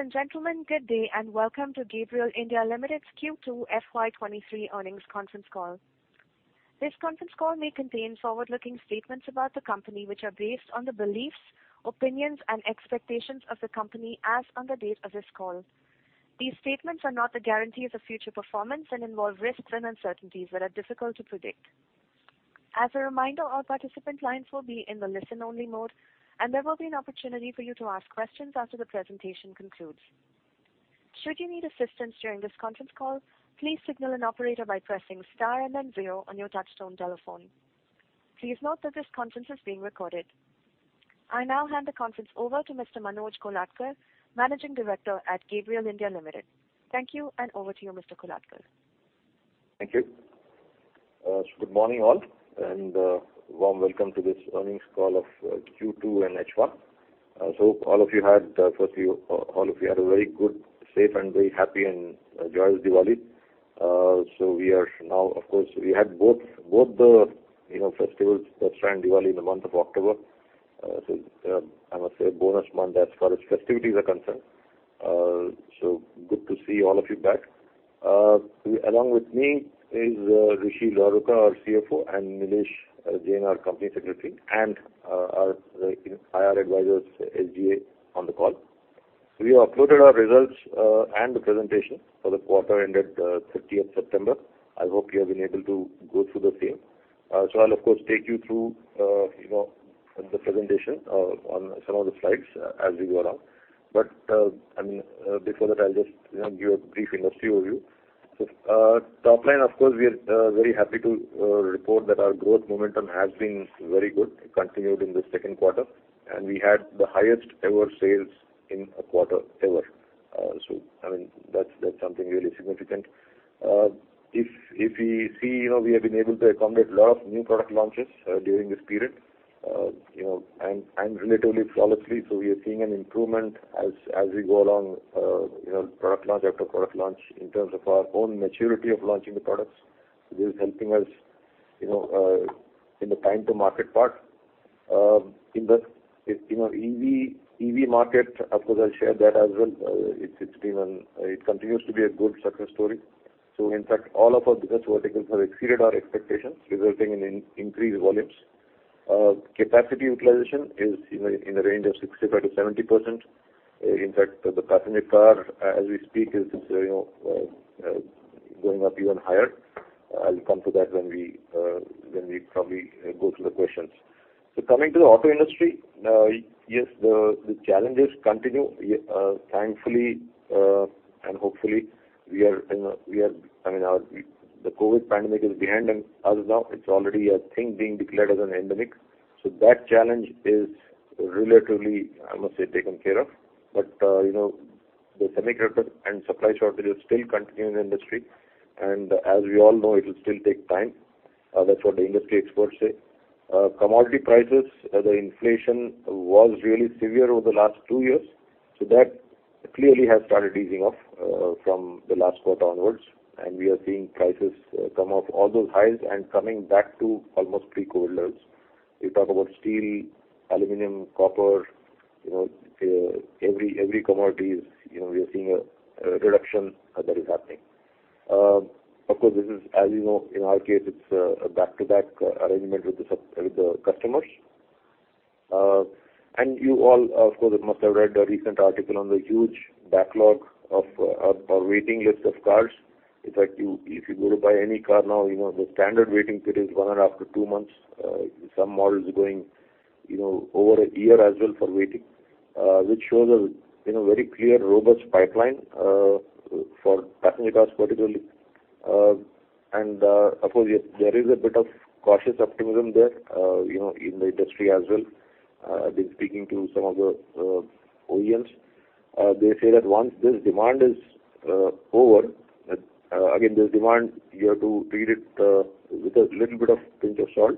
Ladies and gentlemen, good day, and welcome to Gabriel India Limited's Q2 FY 23 earnings conference call. This conference call may contain forward-looking statements about the company, which are based on the beliefs, opinions, and expectations of the company as on the date of this call. These statements are not a guarantee of the future performance and involve risks and uncertainties that are difficult to predict. As a reminder, all participant lines will be in the listen-only mode, and there will be an opportunity for you to ask questions after the presentation concludes. Should you need assistance during this conference call, please signal an operator by pressing star and then zero on your touchtone telephone. Please note that this conference is being recorded. I now hand the conference over to Mr. Manoj Kolhatkar, Managing Director at Gabriel India Limited. Thank you, and over to you, Mr. Kolhatkar. Thank you. Good morning, all, and warm welcome to this earnings call of Q2 and HY. So all of you had a very good, safe, and very happy and joyous Diwali. So we are now, of course, we had both, both the, you know, festivals, Dussehra and Diwali, in the month of October. So I must say, a bonus month as far as festivities are concerned. So good to see all of you back. Along with me is Rishi Luharuka, our CFO, and Nilesh Jain, our company secretary, and our, you know, IR advisors, SGA, on the call. We uploaded our results and the presentation for the quarter ended 30th September. I hope you have been able to go through the same. So, I'll of course take you through, you know, the presentation on some of the slides as we go along. But, I mean, before that, I'll just, you know, give a brief industry overview. Top line, of course, we are very happy to report that our growth momentum has been very good, continued in the second quarter, and we had the highest ever sales in a quarter, ever. So, I mean, that's something really significant. If we see, you know, we have been able to accommodate a lot of new product launches during this period, you know, and relatively flawlessly. So we are seeing an improvement as we go along, you know, product launch after product launch in terms of our own maturity of launching the products. This is helping us, you know, in the time to market part. In the, you know, EV, EV market, of course, I'll share that as well. It's, it's been an... It continues to be a good success story. So in fact, all of our business verticals have exceeded our expectations, resulting in increased volumes. Capacity utilization is in a, in a range of 60%-70%. In fact, the passenger car, as we speak, is, you know, going up even higher. I'll come to that when we, when we probably go through the questions. So coming to the auto industry, yes, the, the challenges continue. Thankfully, and hopefully, we are in a, we are-- I mean, our, the COVID pandemic is behind us now. It's already a thing being declared as an endemic, so that challenge is relatively, I must say, taken care of. But, you know, the semiconductor and supply shortages still continue in the industry, and as we all know, it will still take time. That's what the industry experts say. Commodity prices, the inflation was really severe over the last two years, so that clearly has started easing off, from the last quarter onwards. And we are seeing prices, come off all those highs and coming back to almost pre-COVID levels. We talk about steel, aluminum, copper, you know, every commodity is, you know, we are seeing a reduction that is happening. Of course, this is, as you know, in our case, it's a back-to-back arrangement with the customers. You all, of course, must have read a recent article on the huge backlog of a waiting list of cars. In fact, you, if you go to buy any car now, you know, the standard waiting period is 1.5 to two months. Some models are going, you know, over a year as well for waiting, which shows a, you know, very clear, robust pipeline for passenger cars particularly. Of course, there is a bit of cautious optimism there, you know, in the industry as well. I've been speaking to some of the OEMs. They say that once this demand is over, again, this demand, you have to treat it with a little bit of pinch of salt,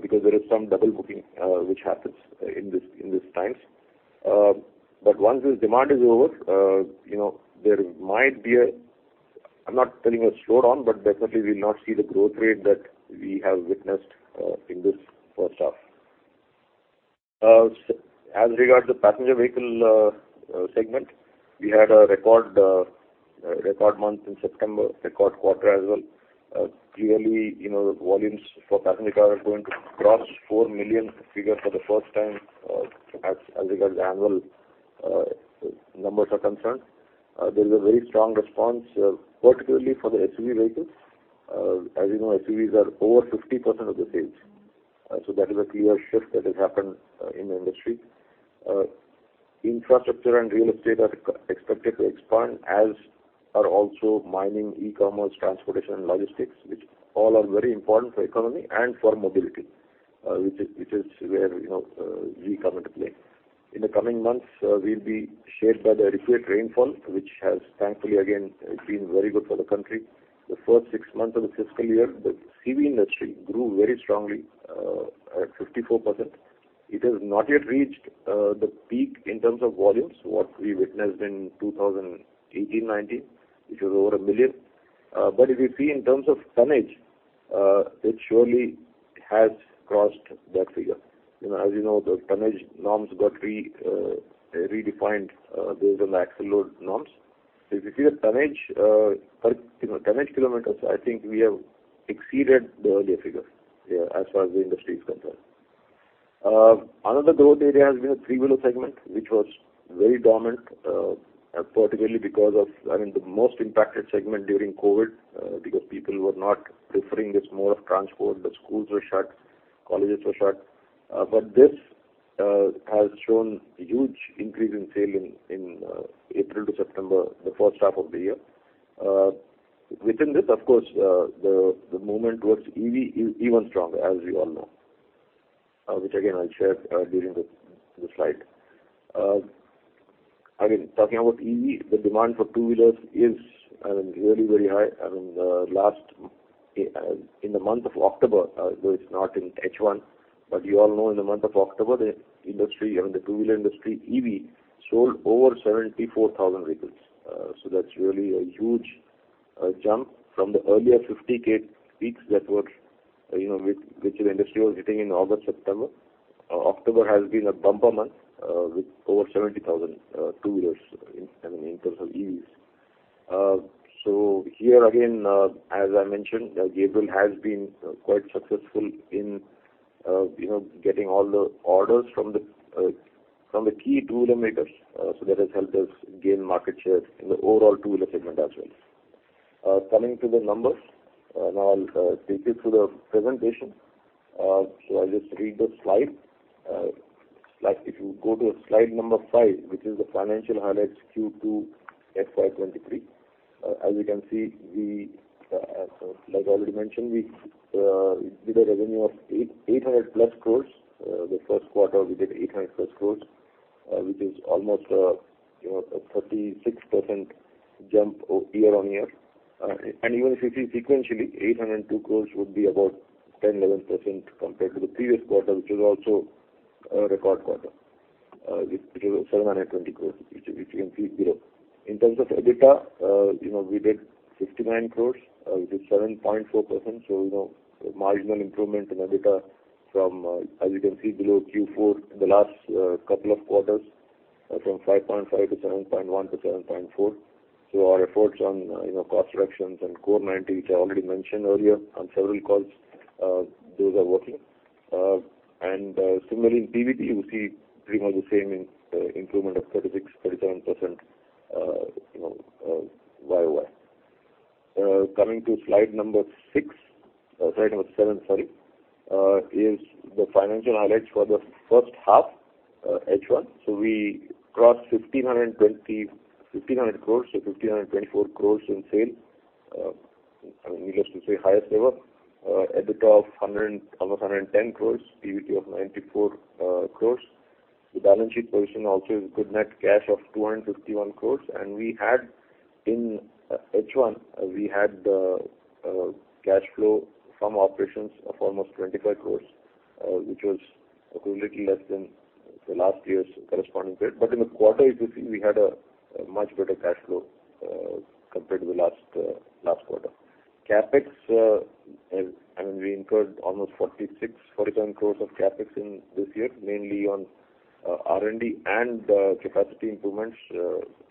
because there is some double booking which happens in this, in these times. But once this demand is over, you know, there might be a, I'm not telling a slowdown, but definitely we'll not see the growth rate that we have witnessed in this first half. As regard the passenger vehicle segment, we had a record month in September, record quarter as well. Clearly, you know, volumes for passenger cars are going to cross four million figures for the first time, as regard the annual numbers are concerned. There is a very strong response, particularly for the SUV vehicles. As you know, SUVs are over 50% of the sales, so that is a clear shift that has happened in the industry. Infrastructure and real estate are expected to expand, as are also mining, e-commerce, transportation, and logistics, which all are very important for economy and for mobility, which is, which is where, you know, we come into play. In the coming months, we'll be shaped by the adequate rainfall, which has thankfully, again, been very good for the country. The first six months of the fiscal year, the CV industry grew very strongly at 54%. It has not yet reached the peak in terms of volumes, what we witnessed in 2018, 19, which was over one million.... But if you see in terms of tonnage, it surely has crossed that figure. You know, as you know, the tonnage norms got redefined based on the Axle Load Norms. So if you see the tonnage per, you know, tonnage kilometers, I think we have exceeded the earlier figure, yeah, as far as the industry is concerned. Another growth area has been a three-wheeler segment, which was very dormant, particularly because of, I mean, the most impacted segment during COVID, because people were not preferring this mode of transport. The schools were shut, colleges were shut. But this has shown a huge increase in sale in April to September, the first half of the year. Within this, of course, the movement towards EV is even stronger, as you all know, which again, I'll share during the slide. I mean, talking about EV, the demand for two-wheelers is, I mean, really very high. I mean, the last, in the month of October, though it's not in H1, but you all know, in the month of October, the industry, I mean, the two-wheeler industry, EV, sold over 74,000 vehicles. So that's really a huge jump from the earlier 50,000 peaks that were, you know, which the industry was hitting in August, September. October has been a bumper month with over 70,000 two-wheelers in, I mean, in terms of EVs. So here, again, as I mentioned, Gabriel has been quite successful in, you know, getting all the orders from the key two-wheeler makers. So that has helped us gain market share in the overall two-wheeler segment as well. Coming to the numbers, and I'll take you through the presentation. So I'll just read the slide. Like, if you go to slide number 5, which is the financial highlights Q2 FY 2023. As you can see, we, like I already mentioned, we did a revenue of 800+ crore. The first quarter, we did 800+ crore, which is almost, you know, a 36% jump year-on-year. And even if you see sequentially, 802 crore would be about 10-11% compared to the previous quarter, which is also a record quarter. Which is 720 crore, which you can see below. In terms of EBITDA, you know, we did 59 crore, which is 7.4%. So, you know, a marginal improvement in EBITDA from, as you can see below, Q4, the last couple of quarters, from 5.5 to 7.1 to 7.4. So our efforts on, you know, cost reductions and Core 90, which I already mentioned earlier on several calls, those are working. And, similarly, in PBT, you see pretty much the same in, improvement of 36%-37%, you know, year-over-year. Coming to slide number six, slide number seven, sorry, is the financial highlights for the first half, H1. So we crossed 1,520, 1,500 crores, so 1,524 crores in sales. I mean, just to say highest ever. EBITDA of 100, almost 110 crores. PBT of 94 crores. The balance sheet position also is a good net cash of 251 crore. And we had in H1, we had cash flow from operations of almost 25 crore, which was a little less than the last year's corresponding period. But in the quarter, if you see, we had a much better cash flow compared to the last quarter. CapEx, I mean, we incurred almost 46-47 crore of CapEx in this year, mainly on R&D and capacity improvements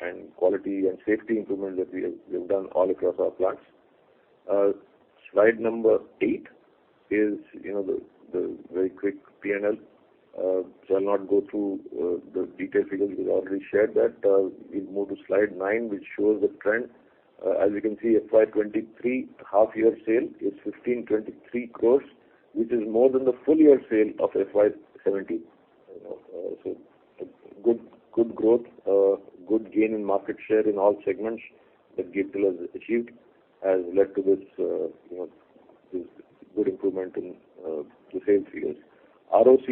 and quality and safety improvement that we have done all across our plants. Slide number eight is, you know, the very quick P&L. So I'll not go through the details, because we've already shared that. We'll move to slide nine, which shows the trend. As you can see, FY 2023 half-year sales are 1,523 crores, which is more than the full-year sales of FY 2017. So good, good growth, good gain in market share in all segments that Gabriel has achieved, has led to this, you know, this good improvement in, the sales figures. ROC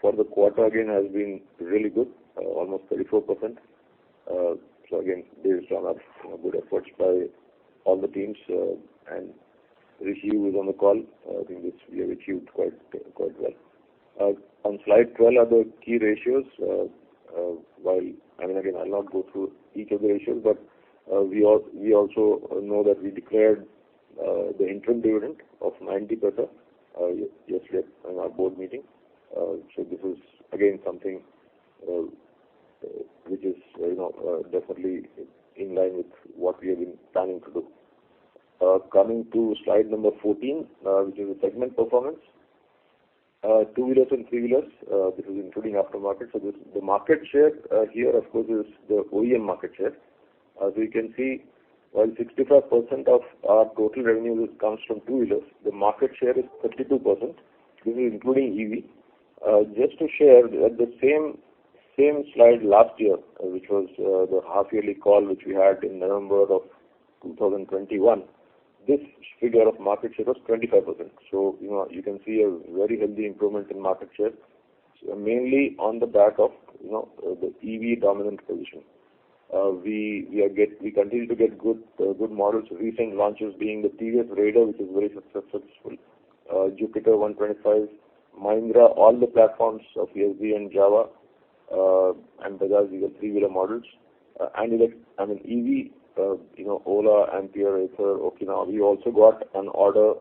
for the quarter, again, has been really good, almost 34%. So again, based on our, you know, good efforts by all the teams, and Rishi, who is on the call, I think it's, we have achieved quite, quite well. On slide 12 are the key ratios. While, I mean, again, I'll not go through each of the ratios, but, we also know that we declared, the interim dividend of 0.90, yesterday in our board meeting. So this is again, something, which is, you know, definitely in line with what we have been planning to do. Coming to slide number 14, which is the segment performance. Two-wheelers and three-wheelers, this is including aftermarket. So this, the market share, here, of course, is the OEM market share. As you can see, while 65% of our total revenue comes from two-wheelers, the market share is 32%, this is including EV. Just to share the same slide last year, which was the half-yearly call, which we had in November 2021, this figure of market share was 25%. So, you know, you can see a very healthy improvement in market share. So mainly on the back of, you know, the EV dominant position. We continue to get good models, recent launches being the TVS Raider, which is very successful. Jupiter 125, Mahindra, all the platforms of Yezdi and Jawa, and Bajaj, we have three-wheeler models. And like, I mean, EV, you know, Ola, Ampere, Ather, Okinawa. We also got an order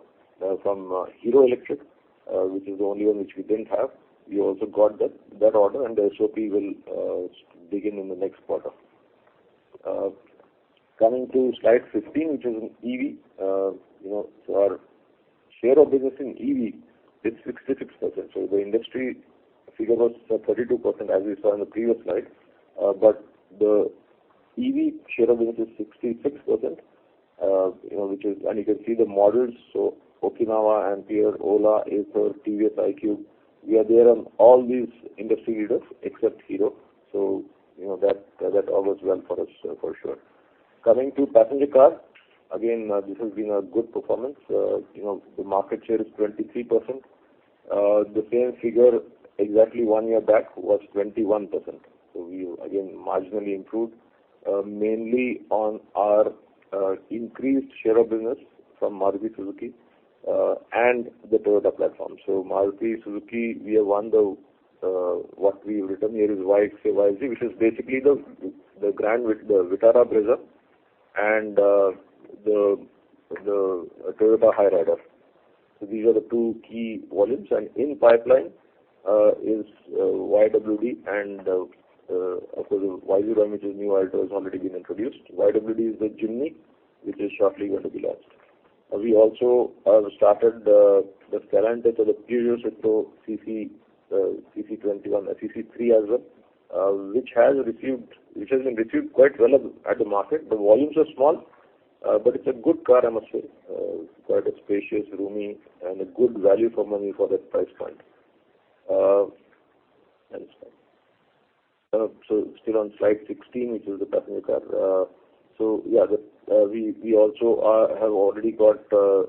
from Hero Electric, which is the only one which we didn't have. We also got that order, and the SOP will begin in the next quarter. Coming to slide 15, which is on EV. You know, so our share of business in EV is 66%. So the industry figure was 32%, as we saw in the previous slide. But the EV share of business is 66%, you know, which is-- and you can see the models. So Okinawa, Ampere, Ola, Ather, TVS iQube. We are there on all these industry leaders except Hero, so you know, that, that all goes well for us, for sure. Coming to passenger car, again, this has been a good performance. You know, the market share is 23%. The same figure exactly one year back was 21%. So we again marginally improved, mainly on our increased share of business from Maruti Suzuki and the Toyota platform. So Maruti Suzuki, we have won the what we've written here is YXZ, which is basically the Grand Vitara, Brezza and the Toyota Hyryder. So these are the two key volumes, and in pipeline is YWD and of course YZ, which is New Alto, has already been introduced. YWD is the Jimny, which is shortly going to be launched. We also started the current or the previous October, CC, CC 21, CC 3 as well, which has received—which has been received quite well at the market. The volumes are small, but it's a good car, I must say. Quite a spacious, roomy, and a good value for money for that price point. Next slide. So still on slide 16, which is the passenger car. So, yeah, the, we also have already got the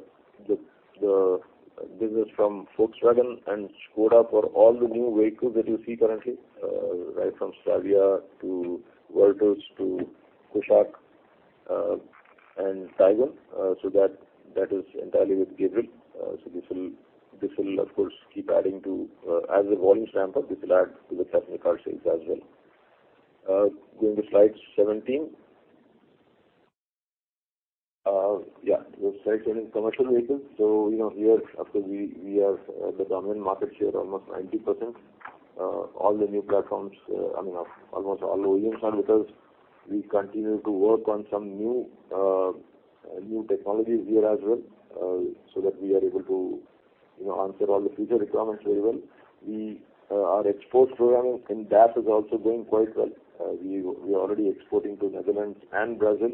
business from Volkswagen and Skoda for all the new vehicles that you see currently, right from Slavia to Virtus to Kushaq, and Taigun. So that is entirely with Gabriel. So this will, of course, keep adding to, as the volumes ramp up, this will add to the passenger car sales as well. Going to slide 17. Yeah, the slide showing commercial vehicles. So, you know, here, of course, we have the dominant market share, almost 90%. All the new platforms, I mean, almost all OEMs are with us. We continue to work on some new technologies here as well, so that we are able to, you know, answer all the future requirements very well. Our export program in DAF is also going quite well. We are already exporting to Netherlands and Brazil,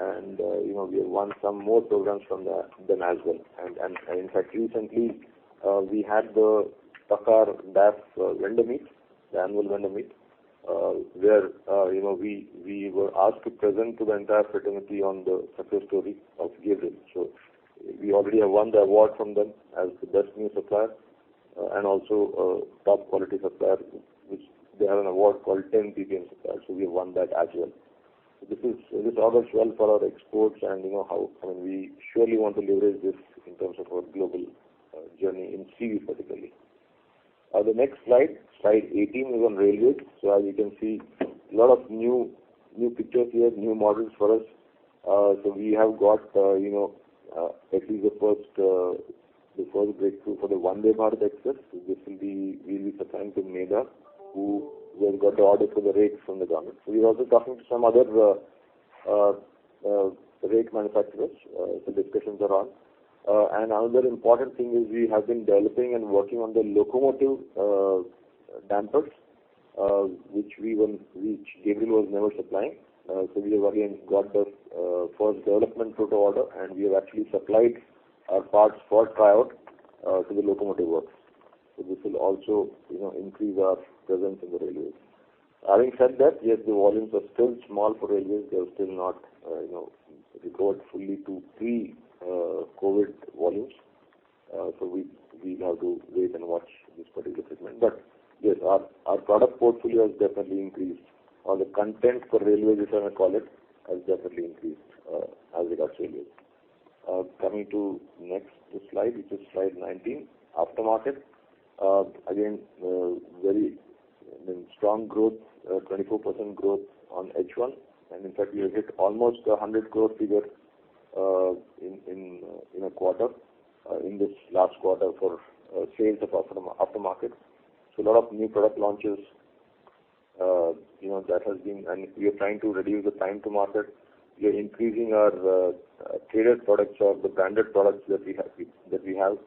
and, you know, we have won some more programs from them as well. In fact, recently, we had the DAF vendor meet, the annual vendor meet, where, you know, we were asked to present to the entire fraternity on the success story of Gabriel. So we already have won the award from them as the best new supplier, and also, top quality supplier, which they have an award called 10 PPM Supplier, so we have won that as well. This is. This all goes well for our exports, and you know how, I mean, we surely want to leverage this in terms of our global journey in CV, particularly. The next slide, slide 18, is on railways. So as you can see, a lot of new pictures here, new models for us. So we have got, you know, actually the first breakthrough for the Vande Bharat Express. So this will be, we'll be supplying to Medha, who has got the order for the rakes from the government. So we're also talking to some other rake manufacturers, so discussions are on. And another important thing is we have been developing and working on the locomotive dampers, which we were which Gabriel was never supplying. So we have again got the first development proto order, and we have actually supplied our parts for tryout to the locomotive works. So this will also, you know, increase our presence in the railways. Having said that, yes, the volumes are still small for railways. They're still not, you know, recovered fully to pre-COVID volumes. So we have to wait and watch this particular segment. But yes, our product portfolio has definitely increased. The content for railways, as I call it, has definitely increased, as it actually is. Coming to next slide, which is slide 19, aftermarket. Again, very, I mean, strong growth, 24% growth on H1. And in fact, we have hit almost a 100% growth figure, in a quarter, in this last quarter for sales of aftermarket. So a lot of new product launches, you know, that has been... And we are trying to reduce the time to market. We are increasing our traded products or the branded products that we have.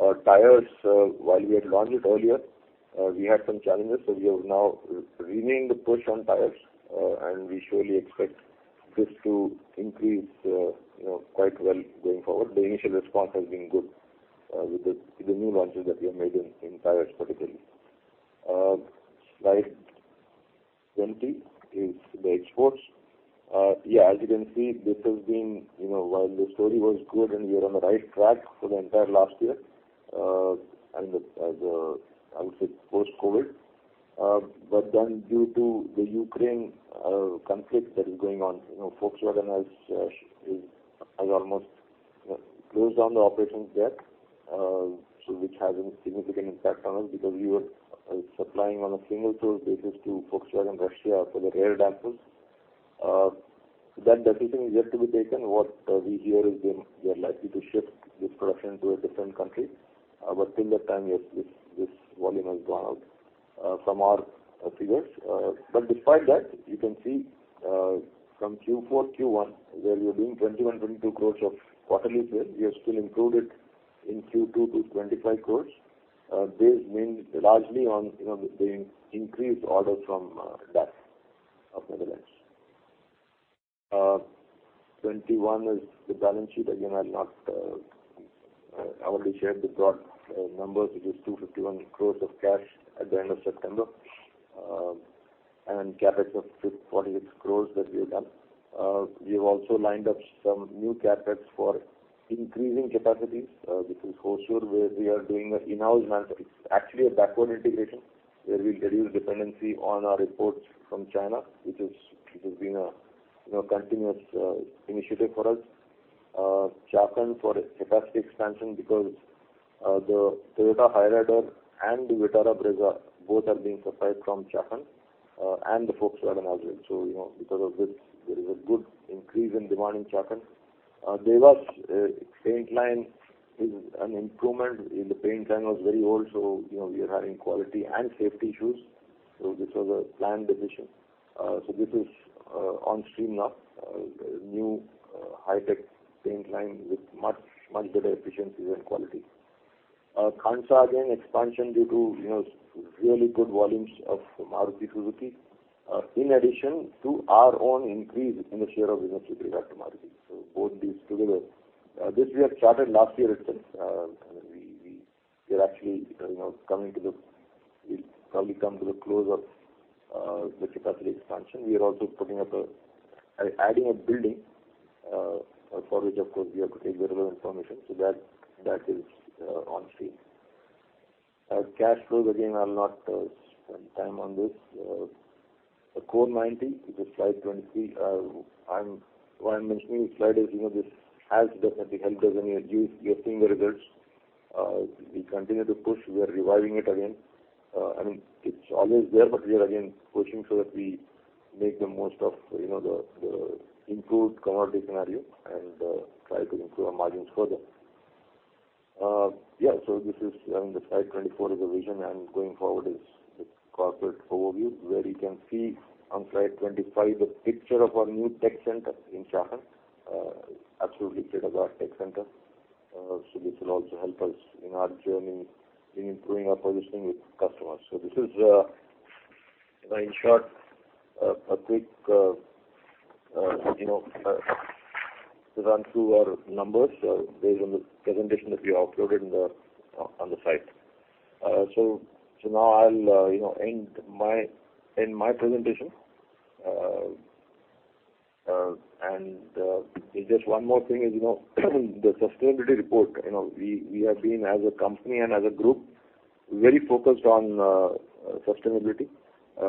Our tires, while we had launched it earlier, we had some challenges, so we have now renewing the push on tires, and we surely expect this to increase, you know, quite well going forward. The initial response has been good, with the new launches that we have made in tires, particularly. Slide 20 is the exports. Yeah, as you can see, this has been, you know, while the story was good and we are on the right track for the entire last year, and I would say, post-COVID-... But then due to the Ukraine conflict that is going on, you know, Volkswagen has almost closed down the operations there, so which has a significant impact on us because we were supplying on a single source basis to Volkswagen Russia for their air dampers. That decision is yet to be taken. What we hear is they are likely to shift this production to a different country. But till that time, yes, this volume has gone out from our figures. But despite that, you can see from Q4, Q1, where we were doing 21-22 crore of quarterly sales, we have still improved it in Q2 to 25 crore. This means largely on, you know, the increased orders from DAF of Netherlands. Twenty-one is the balance sheet. Again, I'll not, I only shared the broad numbers, which is 251 crores of cash at the end of September, and CapEx of 648 crores that we have done. We have also lined up some new CapEx for increasing capacities, which is Hosur, where we are doing an in-house manufacturing. Actually, a backward integration, where we'll reduce dependency on our imports from China, which is, which has been a, you know, continuous initiative for us. Chakan for capacity expansion, because the Toyota Hilux and the Vitara Brezza both are being supplied from Chakan, and the Volkswagen as well. So, you know, because of this, there is a good increase in demand in Chakan. Dewas, paint line is an improvement. The paint line was very old, so, you know, we are having quality and safety issues. So this was a planned decision. So this is on stream now, new high-tech paint line with much, much better efficiencies and quality. Khandwa, again, expansion due to, you know, really good volumes of Maruti Suzuki, in addition to our own increase in the share of business with regard to Maruti. So both these together... This we have started last year itself. We are actually, you know, coming to the, we'll probably come to the close of the capacity expansion. We are also putting up a adding a building, for which, of course, we have to take relevant permission. So that, that is on stream. Our cash flow, again, I'll not spend time on this. The Core 90, which is slide 23. I'm, why I'm mentioning this slide is, you know, this has definitely helped us when you reduce your seeing the results. We continue to push, we are reviving it again. I mean, it's always there, but we are again pushing so that we make the most of, you know, the, the improved commodity scenario and, try to improve our margins further. Yeah, so this is, I mean, the slide 24 is a vision, and going forward is the corporate overview, where you can see on slide 25, the picture of our new tech center in Chakan. Absolutely state-of-the-art tech center. So this will also help us in our journey in improving our positioning with customers. So this is, in short, a quick, you know, run through our numbers, based on the presentation that we have uploaded on the site. So now I'll, you know, end my presentation. And just one more thing is, you know, the sustainability report. You know, we have been, as a company and as a group, very focused on sustainability,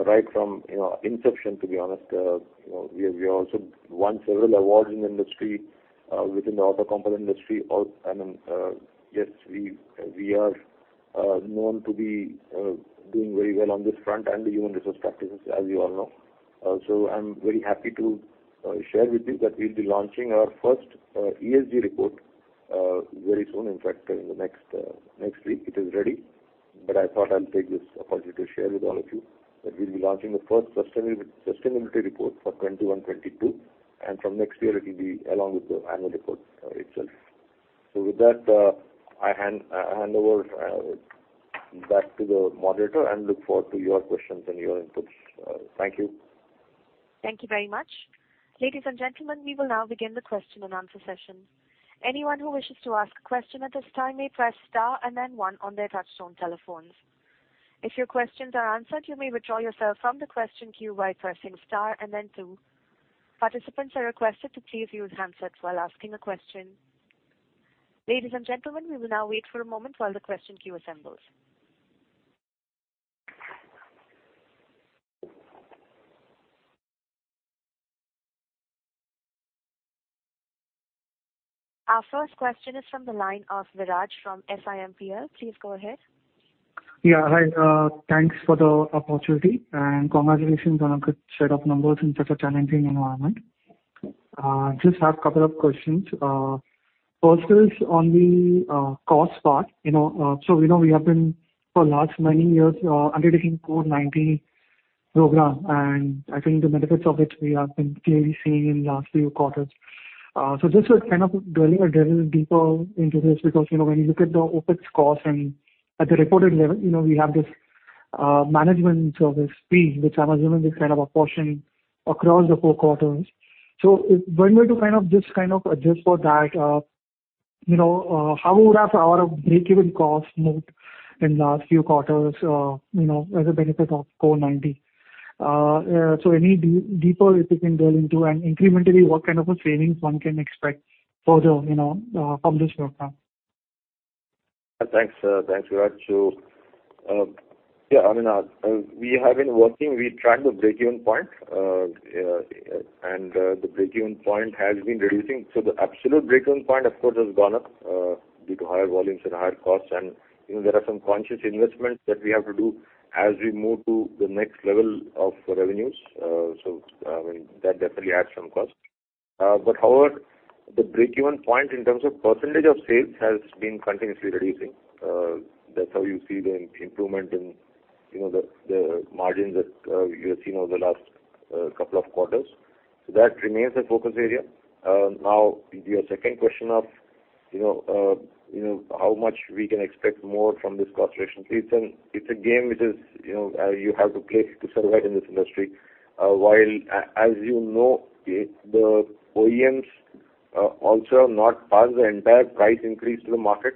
right from, you know, inception, to be honest. You know, we have also won several awards in the industry, within the auto component industry. Also, I mean, yes, we are known to be doing very well on this front and the human resource practices, as you all know. So I'm very happy to share with you that we'll be launching our first ESG report very soon. In fact, in the next week. It is ready, but I thought I'd take this opportunity to share with all of you that we'll be launching the first sustainability report for 2021, 2022, and from next year, it will be along with the annual report itself. So with that, I hand over back to the moderator and look forward to your questions and your inputs. Thank you. Thank you very much. Ladies and gentlemen, we will now begin the question and answer session. Anyone who wishes to ask a question at this time may press star and then one on their touchtone telephones. If your questions are answered, you may withdraw yourself from the question queue by pressing star and then two. Participants are requested to please use handsets while asking a question. Ladies and gentlemen, we will now wait for a moment while the question queue assembles. Our first question is from the line of Viraj from SIMPL. Please go ahead. Yeah, hi. Thanks for the opportunity, and congratulations on a good set of numbers in such a challenging environment. Just have a couple of questions. First is on the cost part. You know, so we know we have been for last many years undertaking Core 90 program, and I think the benefits of it we have been clearly seeing in last few quarters. So just to kind of drilling a little deeper into this, because you know, when you look at the OpEx costs and at the reported level, you know, we have this management service fee, which I'm assuming is kind of apportioned across the four quarters. So if when we to kind of just kind of adjust for that, you know, how would our break-even cost moved in last few quarters, you know, as a benefit of Core 90? So any deeper if you can drill into, and incrementally, what kind of a savings one can expect further, you know, from this program?... Thanks, thanks, Viraj. So, yeah, I mean, we have been working, we tracked the breakeven point, and the breakeven point has been reducing. So the absolute breakeven point, of course, has gone up due to higher volumes and higher costs. You know, there are some conscious investments that we have to do as we move to the next level of revenues. So, I mean, that definitely adds some cost. But however, the breakeven point in terms of percentage of sales has been continuously reducing. That's how you see the improvement in, you know, the margin that you have seen over the last couple of quarters. So that remains a focus area. Now, your second question of, you know, you know, how much we can expect more from this cost reduction? It's a game which is, you know, you have to play to survive in this industry. While, as you know, the OEMs also have not passed the entire price increase to the market.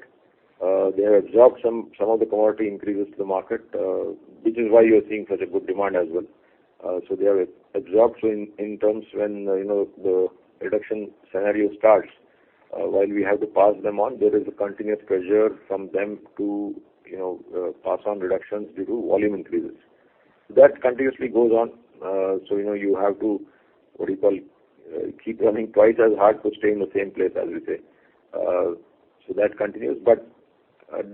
They have absorbed some, some of the commodity increases to the market, which is why you are seeing such a good demand as well. So they are absorbed in terms when, you know, the reduction scenario starts. While we have to pass them on, there is a continuous pressure from them to, you know, pass on reductions due to volume increases. That continuously goes on, so, you know, you have to, what do you call, keep running twice as hard to stay in the same place, as we say. So that continues, but,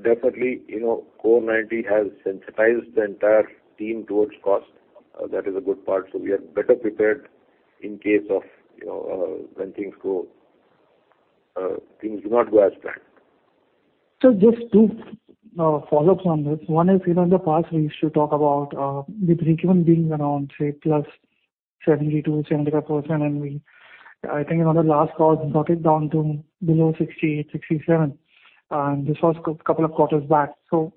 definitely, you know, COVID-19 has sensitized the entire team towards cost. That is a good part. So we are better prepared in case of, you know, when things go, things do not go as planned. So just two follow-ups on this. One is, you know, in the past, we used to talk about the breakeven being around, say, +70%-75%, and we—I think, you know, the last call, we got it down to below 68, 67, and this was a couple of quarters back. So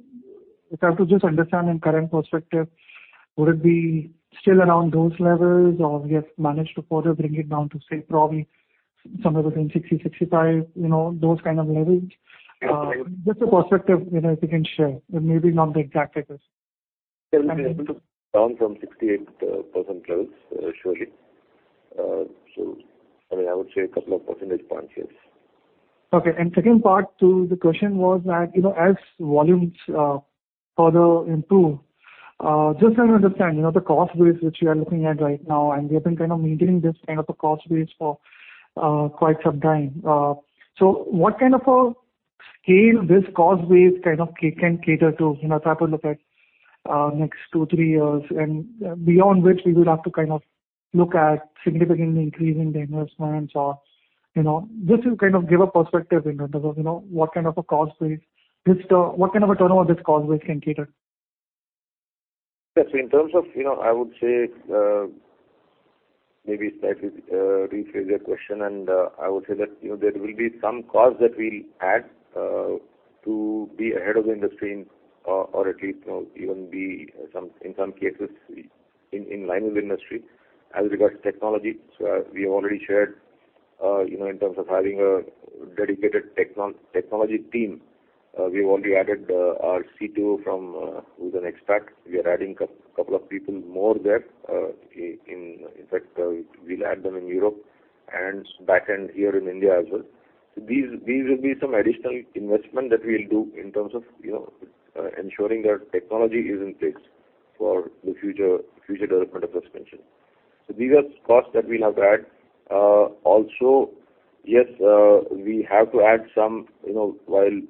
I have to just understand in current perspective, would it be still around those levels, or we have managed to further bring it down to, say, probably somewhere between 60, 65, you know, those kind of levels? Just a perspective, you know, if you can share, but maybe not the exact figures. Down from 68% levels, surely. So, I mean, I would say a couple of percentage points, yes. Okay. Second part to the question was that, you know, as volumes further improve, just try to understand, you know, the cost base, which you are looking at right now, and we have been kind of maintaining this kind of a cost base for quite some time. So what kind of a scale this cost base kind of can cater to, you know, try to look at next two, three years, and beyond which we would have to kind of look at significantly increasing the investments or, you know. Just to kind of give a perspective in terms of, you know, what kind of a cost base this, what kind of a turnover this cost base can cater? Yes, in terms of, you know, I would say, maybe try to rephrase your question, and I would say that, you know, there will be some costs that we'll add to be ahead of the industry in, or at least, you know, even be some in some cases in line with the industry. As regards technology, so as we have already shared, you know, in terms of having a dedicated technology team, we've already added our CTO from who's an expert. We are adding a couple of people more there, in fact, we'll add them in Europe and back end here in India as well. So these will be some additional investment that we'll do in terms of, you know, ensuring that technology is in place for the future development of suspension. So these are costs that we'll have to add. Also, yes, we have to add some, you know, while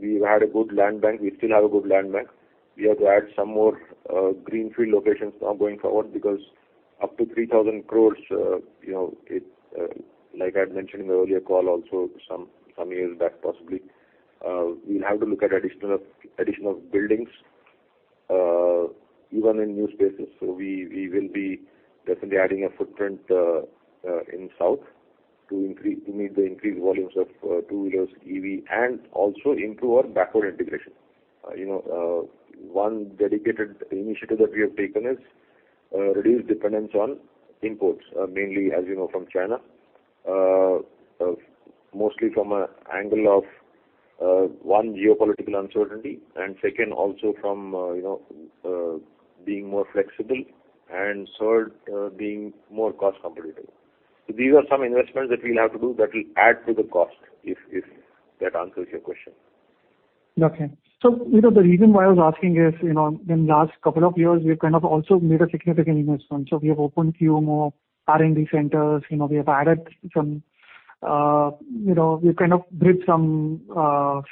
we've had a good land bank, we still have a good land bank. We have to add some more greenfield locations now going forward, because up to 3,000 crore, you know, it, like I had mentioned in the earlier call, also some years back, possibly, we'll have to look at additional, additional buildings, even in new spaces. So we, we will be definitely adding a footprint in South to increase, to meet the increased volumes of two-wheelers, EV, and also improve our backward integration. You know, one dedicated initiative that we have taken is reduce dependence on imports, mainly, as you know, from China. Mostly from an angle of one, geopolitical uncertainty, and second, also from, you know, being more flexible, and third, being more cost competitive. So these are some investments that we'll have to do that will add to the cost, if that answers your question. Okay. So, you know, the reason why I was asking is, you know, in last couple of years, we've kind of also made a significant investment. So we have opened few more R&D centers, you know, we have added some, you know, we've kind of built some,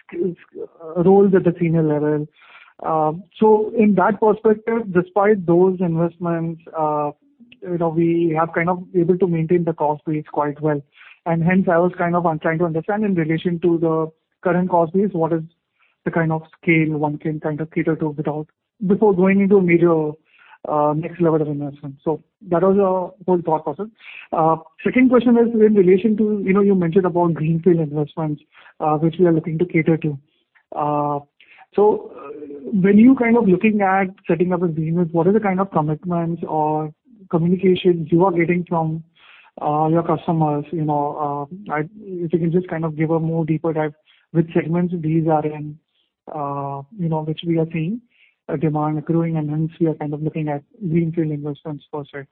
skills, roles at the senior level. So in that perspective, despite those investments, you know, we have kind of able to maintain the cost base quite well. And hence, I was kind of trying to understand in relation to the current cost base, what is the kind of scale one can kind of cater to without before going into a major, next level of investment? So that was the whole thought process. Second question is in relation to, you know, you mentioned about greenfield investments, which we are looking to cater to. So when you're kind of looking at setting up a business, what are the kind of commitments or communications you are getting from your customers? You know, if you can just kind of give a more deeper dive, which segments these are in?... you know, which we are seeing demand growing, and hence we are kind of looking at greenfield investments per se.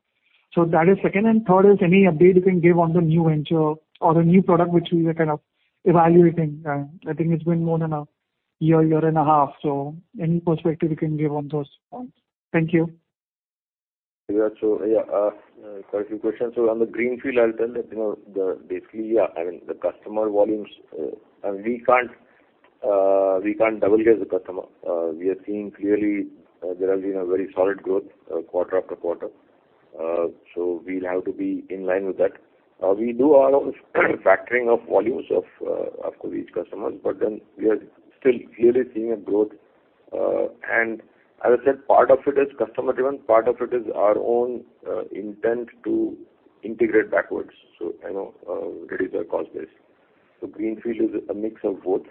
So that is second, and third, is any update you can give on the new venture or the new product which we are kind of evaluating? I think it's been more than a year, year and a half, so any perspective you can give on those points? Thank you. Yeah. So, yeah, quite a few questions. So on the greenfield, I'll tell that, you know, the basically, yeah, I mean, the customer volumes, and we can't, we can't double as the customer. We are seeing clearly, there has been a very solid growth, quarter after quarter. So we'll have to be in line with that. We do all of the factoring of volumes of, of course, each customers, but then we are still clearly seeing a growth. And as I said, part of it is customer-driven, part of it is our own, intent to integrate backwards, so I know, there is a cost base. So greenfield is a mix of both.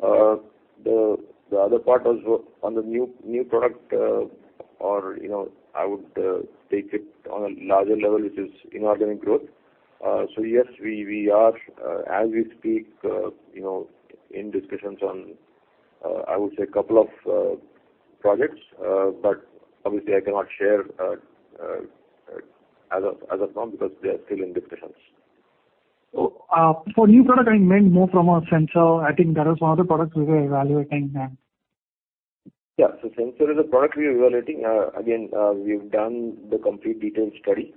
The other part also on the new product, or, you know, I would take it on a larger level, which is inorganic growth. So yes, we are, as we speak, you know, in discussions on, I would say, a couple of projects. But obviously, I cannot share as of now, because they are still in discussions. So, for new product, I meant more from a sensor. I think that is one of the products we were evaluating then. Yeah. So sensor is a product we are evaluating. Again, we've done the complete detailed study.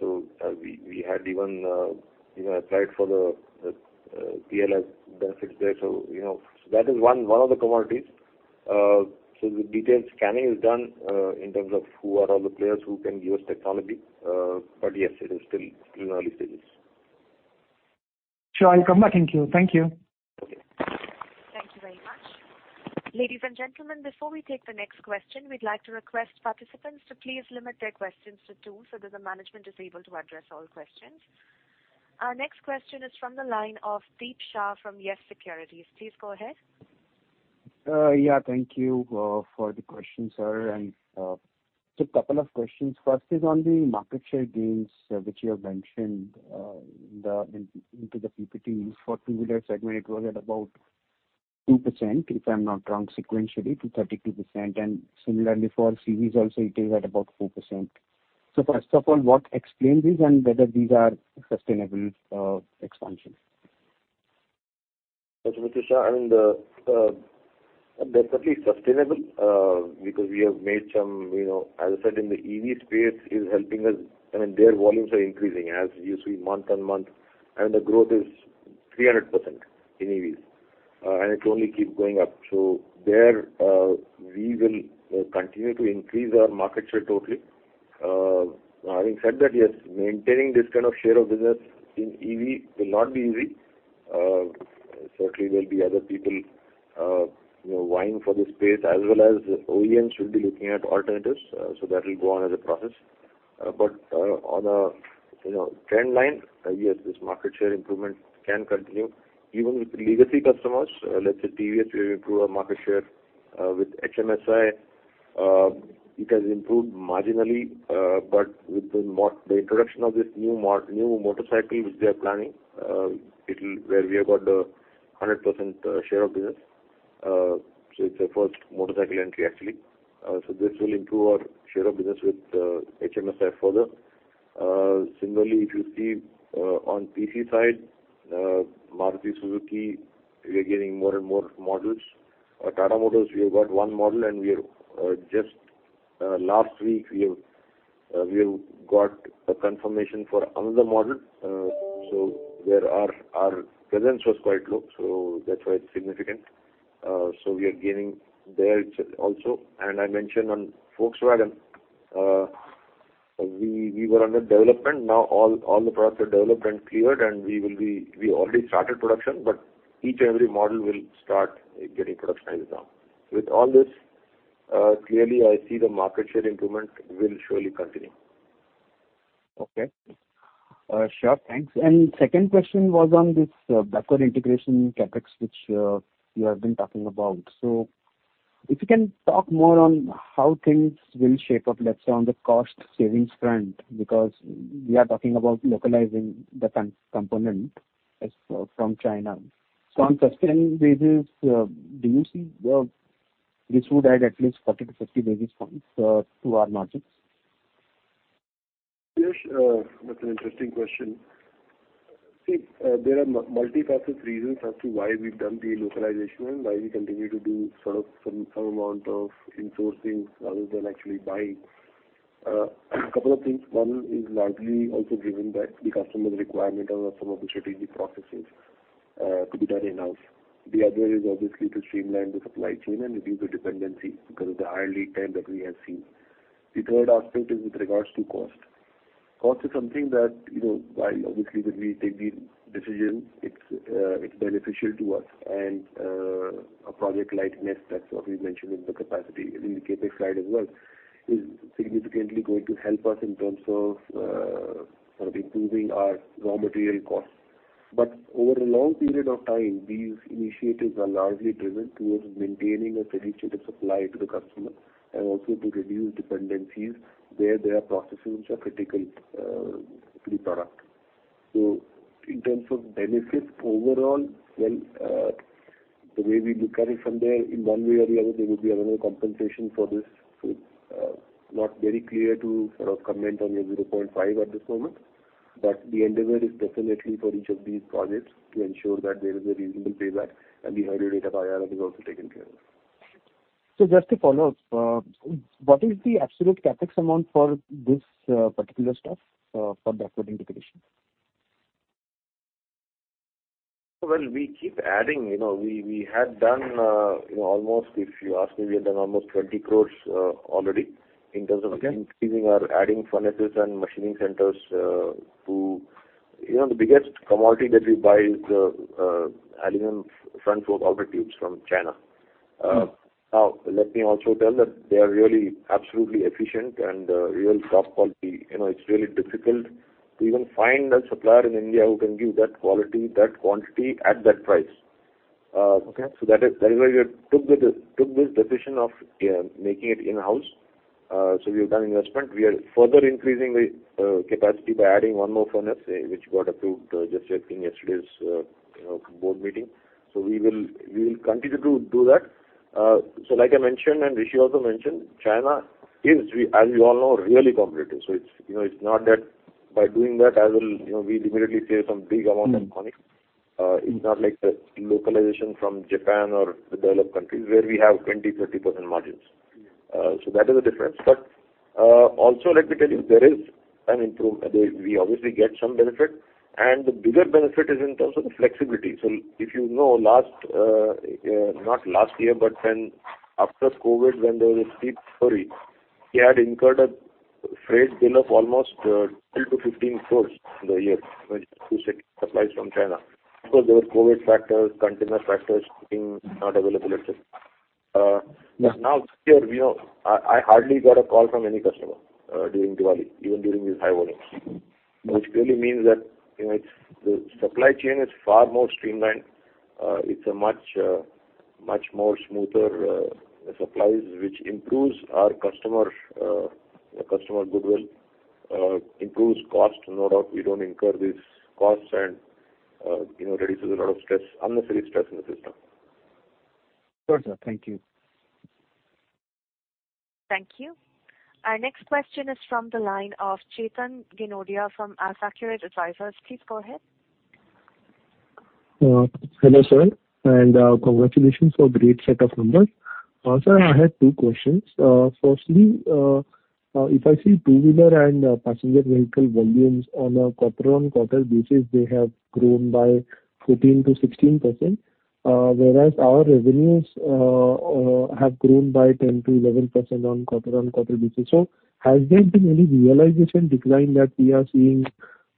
So, we had even, you know, applied for the PLI benefits there. So, you know, that is one of the commodities. So the detailed scanning is done in terms of who are all the players who can give us technology. But yes, it is still in early stages. Sure, I'll come back. Thank you. Thank you. Okay. Thank you very much. Ladies and gentlemen, before we take the next question, we'd like to request participants to please limit their questions to two, so that the management is able to address all questions. Our next question is from the line of Deep Shah from YES Securities. Please go ahead. Yeah, thank you for the question, sir, and just a couple of questions. First is on the market share gains, which you have mentioned in the PPTs. For two-wheeler segment, it was at about 2%, if I'm not wrong, sequentially to 32%, and similarly for CVs also, it is at about 4%. So first of all, what explains this, and whether these are sustainable expansions? That's Shah, and they're certainly sustainable because we have made some, you know, as I said, in the EV space is helping us. I mean, their volumes are increasing as you see month-on-month, and the growth is 300% in EVs, and it only keep going up. So there, we will continue to increase our market share totally. Having said that, yes, maintaining this kind of share of business in EV will not be easy. Certainly there'll be other people, you know, vying for this space, as well as OEMs will be looking at alternatives, so that will go on as a process. But on a, you know, trend line, yes, this market share improvement can continue even with the legacy customers. Let's say, TVS, we improve our market share. With HMSI, it has improved marginally, but with the introduction of this new motorcycle which they are planning, it'll... where we have got a 100% share of business. So it's a first motorcycle entry, actually. So this will improve our share of business with HMSI further. Similarly, if you see, on PC side, Maruti Suzuki, we are getting more and more models. Tata Motors, we have got one model, and we are just last week we have got a confirmation for another model. So where our presence was quite low, so that's why it's significant. So we are gaining there also. And I mentioned on Volkswagen, we were under development. Now, all, all the products are developed and cleared, and we already started production, but each and every model will start getting production as of now. With all this, clearly, I see the market share improvement will surely continue. Okay. Sure, thanks. Second question was on this, backward integration CapEx, which, you have been talking about. So if you can talk more on how things will shape up, let's say, on the cost savings front, because we are talking about localizing the trans- component as, from China. So on sustained basis, do you see, this would add at least 40-50 basis points, to our margins? Yes, that's an interesting question. See, there are multifaceted reasons as to why we've done the localization and why we continue to do sort of some, some amount of insourcing rather than actually buying. A couple of things. One is largely also driven by the customer's requirement and some of the strategic processes to be done in-house. The other is obviously to streamline the supply chain and reduce the dependency because of the high lead time that we have seen. The third aspect is with regards to cost. Cost is something that, you know, while obviously when we take these decisions, it's beneficial to us. And, a project like Nest, that's what we mentioned in the capacity, in the CapEx slide as well, is significantly going to help us in terms of sort of improving our raw material costs. But over a long period of time, these initiatives are largely driven towards maintaining a steady state of supply to the customer and also to reduce dependencies where there are processes which are critical to the product. So in terms of benefit overall, well, the way we look at it from there, in one way or the other, there will be another compensation for this. So, not very clear to sort of comment on the 0.5 at this moment, but the endeavor is definitely for each of these projects to ensure that there is a reasonable payback and the higher rate of IRR is also taken care of. Just to follow up, what is the absolute CapEx amount for this particular stuff for backward integration? Well, we keep adding. You know, we had done, you know, almost if you ask me, we had done almost 20 crore, already in terms of- Okay. - increasing or adding furnaces and machining centers. You know, the biggest commodity that we buy is the aluminum front fork outer tubes from China. Mm-hmm. Now, let me also tell that they are really absolutely efficient and real top quality. You know, it's really difficult to even find a supplier in India who can give that quality, that quantity at that price. Okay. So that is, that is why we took the, took this decision of making it in-house. So we have done investment. We are further increasing the capacity by adding one more furnace, which got approved, just checking yesterday's, you know, board meeting. So we will, we will continue to do that. So like I mentioned, and Rishi also mentioned, China is, we, as we all know, really competitive. So it's, you know, it's not that by doing that I will, you know, we immediately save some big amount of money. Mm-hmm. It's not like the localization from Japan or the developed countries, where we have 20, 30% margins. Mm-hmm. So that is the difference. But also let me tell you, there is an improvement. They, we obviously get some benefit, and the bigger benefit is in terms of the flexibility. So if you know, last, not last year, but when after COVID, when there was a steep flurry, we had incurred a freight bill of almost 10 crore-15 crore in the year, when we used to get supplies from China. Because there were COVID factors, container factors being not available, et cetera. But now, here, you know, I, I hardly got a call from any customer during Diwali, even during these high volumes. Mm-hmm. Which clearly means that, you know, it's the supply chain is far more streamlined. It's a much much more smoother supplies, which improves our customer customer goodwill, improves cost. No doubt, we don't incur these costs and, you know, reduces a lot of stress, unnecessary stress in the system. Sure, sir. Thank you. Thank you. Our next question is from the line of Chetan Ginodia from AlfAccurate Advisors. Please go ahead. Hello, sir, and congratulations for great set of numbers. Sir, I had two questions. Firstly, if I see two-wheeler and passenger vehicle volumes on a quarter-on-quarter basis, they have grown by 14%-16%, whereas our revenues have grown by 10%-11% on quarter-on-quarter basis. So has there been any realization decline that we are seeing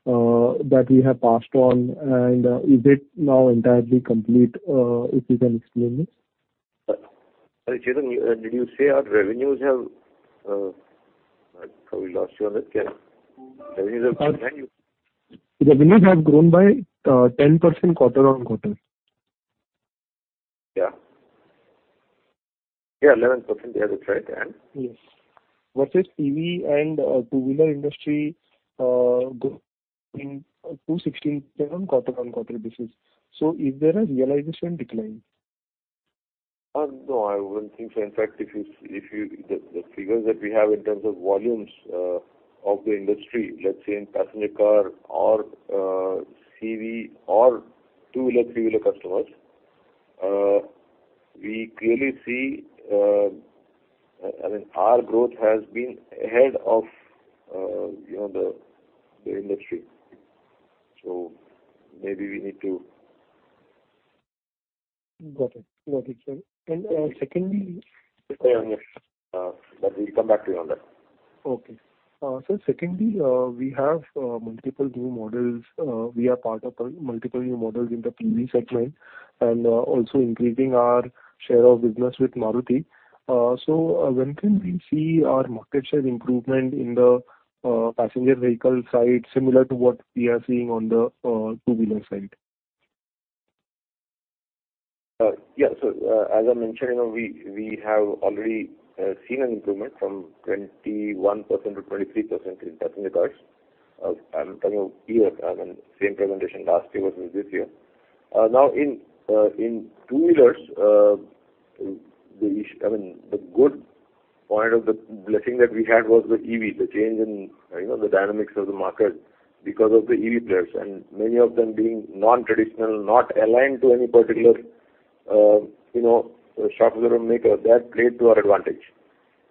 that we have passed on, and is it now entirely complete? If you can explain this. Chetan, did you say our revenues have? I probably lost you on that again. Revenues have grown? Revenues have grown by 10% quarter-on-quarter. Yeah. Yeah, 11%, yeah, that's right. And? Yes. Versus EV and two-wheeler industry growing 216% quarter-on-quarter basis. So is there a realization decline? No, I wouldn't think so. In fact, the figures that we have in terms of volumes of the industry, let's say in passenger car or, CV or two-wheeler, three-wheeler customers, we clearly see, I mean, our growth has been ahead of, you know, the industry. So maybe we need to- Got it. Got it, sir. And, secondly- Yes, but we'll come back to you on that. Okay. Sir, secondly, we have multiple new models. We are part of a multiple new models in the PV segment and also increasing our share of business with Maruti. So, when can we see our market share improvement in the passenger vehicle side, similar to what we are seeing on the two-wheeler side? Yeah. So, as I mentioned, we, we have already seen an improvement from 21% to 23% in passenger cars. I'm talking of year, I mean, same presentation last year versus this year. Now, in two-wheelers, the, I mean, the good point of the blessing that we had was the EV, the change in, you know, the dynamics of the market because of the EV players, and many of them being non-traditional, not aligned to any particular, you know, OEM, that played to our advantage.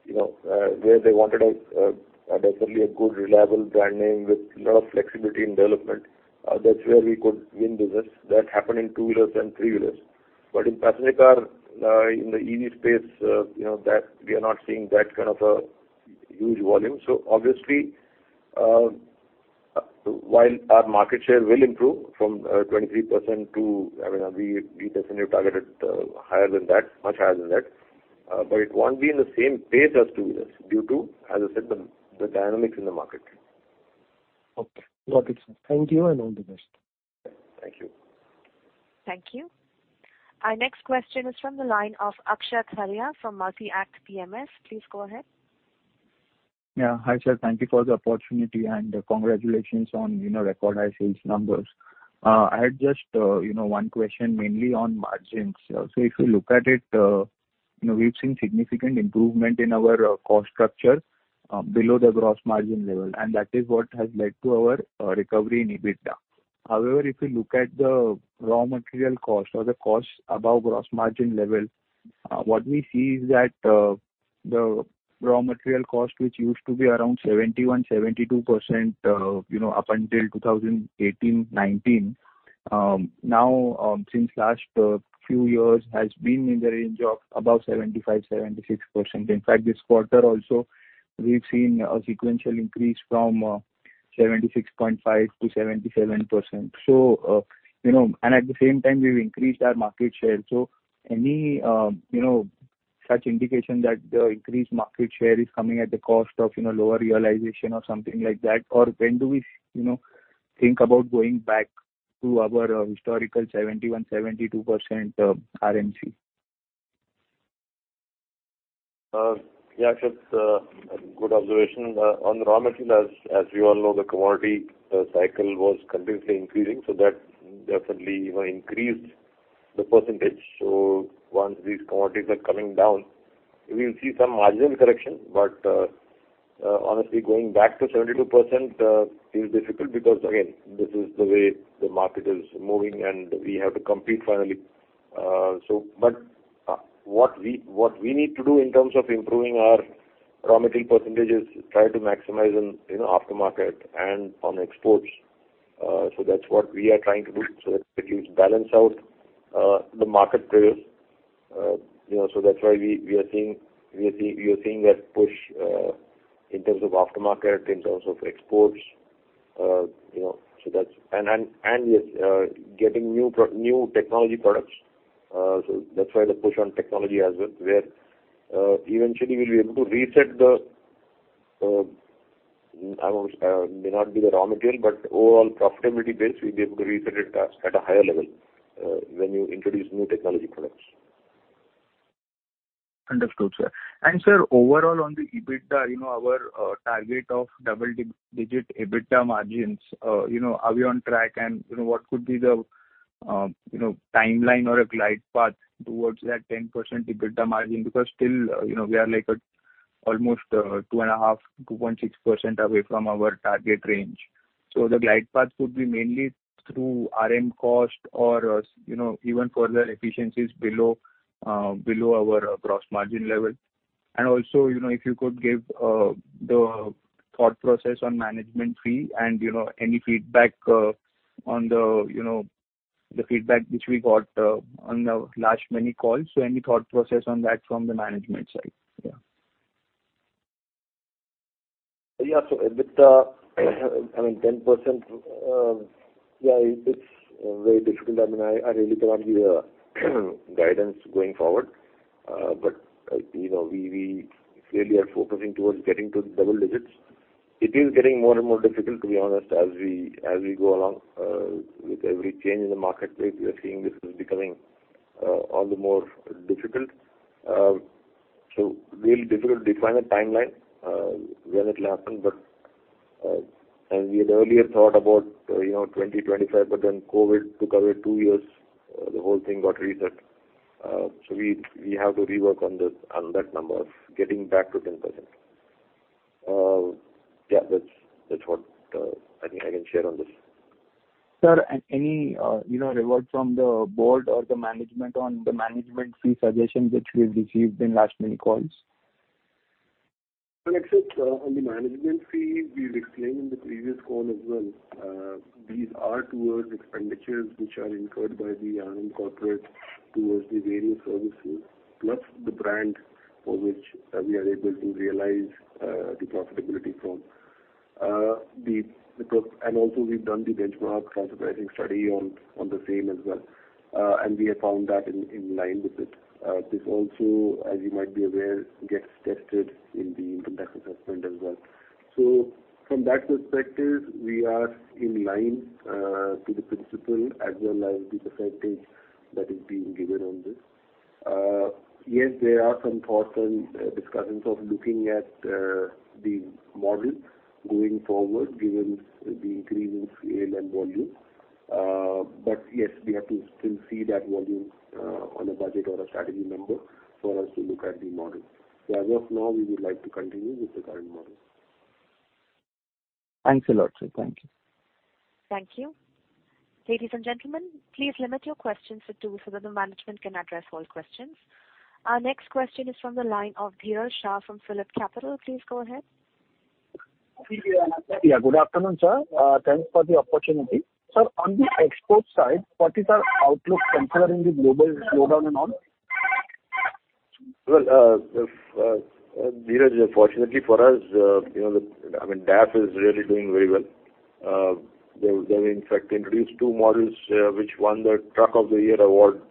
You know, where they wanted a definitely a good, reliable brand name with a lot of flexibility in development, that's where we could win business. That happened in two-wheelers and three-wheelers. But in passenger car, in the EV space, you know, that we are not seeing that kind of a huge volume. So obviously, while our market share will improve from 23% to, I mean, we, we definitely targeted higher than that, much higher than that, but it won't be in the same pace as two-wheelers, due to, as I said, the dynamics in the market. Okay. Got it, sir. Thank you, and all the best.... Thank you. Our next question is from the line of Akshat Hariya from Multi-Act PMS. Please go ahead. Yeah. Hi, sir. Thank you for the opportunity, and congratulations on, you know, record high sales numbers. I had just, you know, one question mainly on margins. So if you look at it, we've seen significant improvement in our cost structure below the gross margin level, and that is what has led to our recovery in EBITDA. However, if you look at the raw material cost or the cost above gross margin level, what we see is that the raw material cost, which used to be around 71%-72%, you know, up until 2018-2019, now, since last few years, has been in the range of above 75%-76%. In fact, this quarter also, we've seen a sequential increase from 76.5%-77%. So, you know, and at the same time, we've increased our market share. So any, you know, such indication that the increased market share is coming at the cost of, you know, lower realization or something like that? Or when do we, you know, think about going back to our historical 71%-72%, RMC? Yeah, Akshat, good observation. On the raw material, as you all know, the commodity cycle was continuously increasing, so that definitely, you know, increased the percentage. So once these commodities are coming down, we'll see some marginal correction. But, honestly, going back to 72% is difficult, because, again, this is the way the market is moving, and we have to compete finally. So but, what we need to do in terms of improving our raw material percentage is try to maximize on, you know, aftermarket and on exports. So that's what we are trying to do, so that it will balance out, the market place. You know, so that's why we are seeing that push in terms of aftermarket, in terms of exports, you know, so that's... and yes, getting new technology products. So that's why the push on technology as well, where eventually we'll be able to reset the margin, not the raw material, but overall profitability base, we'll be able to reset it at a higher level when you introduce new technology products. Understood, sir. And sir, overall, on the EBITDA, you know, our target of double-digit EBITDA margins, you know, are we on track? And, you know, what could be the, you know, timeline or a glide path towards that 10% EBITDA margin? Because still, you know, we are like at almost 2.5, 2.6% away from our target range. So the glide path would be mainly through RM cost or, you know, even further efficiencies below our gross margin level. And also, you know, if you could give the thought process on management fee and, you know, any feedback on the feedback which we got on the last many calls. So any thought process on that from the management side? Yeah. Yeah, so EBITDA, I mean, 10%, yeah, it's very difficult. I mean, I really cannot give a guidance going forward. But, you know, we clearly are focusing towards getting to the double digits. It is getting more and more difficult, to be honest, as we go along. With every change in the market place, we are seeing this is becoming all the more difficult. So really difficult to define a timeline when it will happen, but and we had earlier thought about, you know, 2025, but then COVID took away two years. The whole thing got reset. So we have to rework on this, on that number of getting back to 10%. Yeah, that's what I think I can share on this. Sir, and any, you know, reward from the board or the management on the management fee suggestions which we've received in last many calls? Well, Akshat, on the management fee, we've explained in the previous call as well, these are towards expenditures which are incurred by the Anand Corporate towards the various services, plus the brand for which we are able to realize the profitability from. And also we've done the benchmark transfer pricing study on the same as well, and we have found that in line with it. This also, as you might be aware, gets tested in the income tax assessment as well. So from that perspective, we are in line to the principle as well as the percentage that is being given on this. Yes, there are some thoughts and discussions of looking at the model going forward, given the increase in scale and volume. But yes, we have to still see that volume on a budget or a strategy number for us to look at the model. So as of now, we would like to continue with the current model. Thanks a lot, sir. Thank you. Thank you. Ladies and gentlemen, please limit your questions to two, so that the management can address all questions. Our next question is from the line of Dhiral Shah from Phillip Capital. Please go ahead. Yeah, good afternoon, sir. Thanks for the opportunity. Sir, on the export side, what is our outlook considering the global slowdown and all? Well, Dhiral, fortunately for us, you know, the, I mean, DAF is really doing very well. They've in fact introduced two models, which won the Truck of the Year award,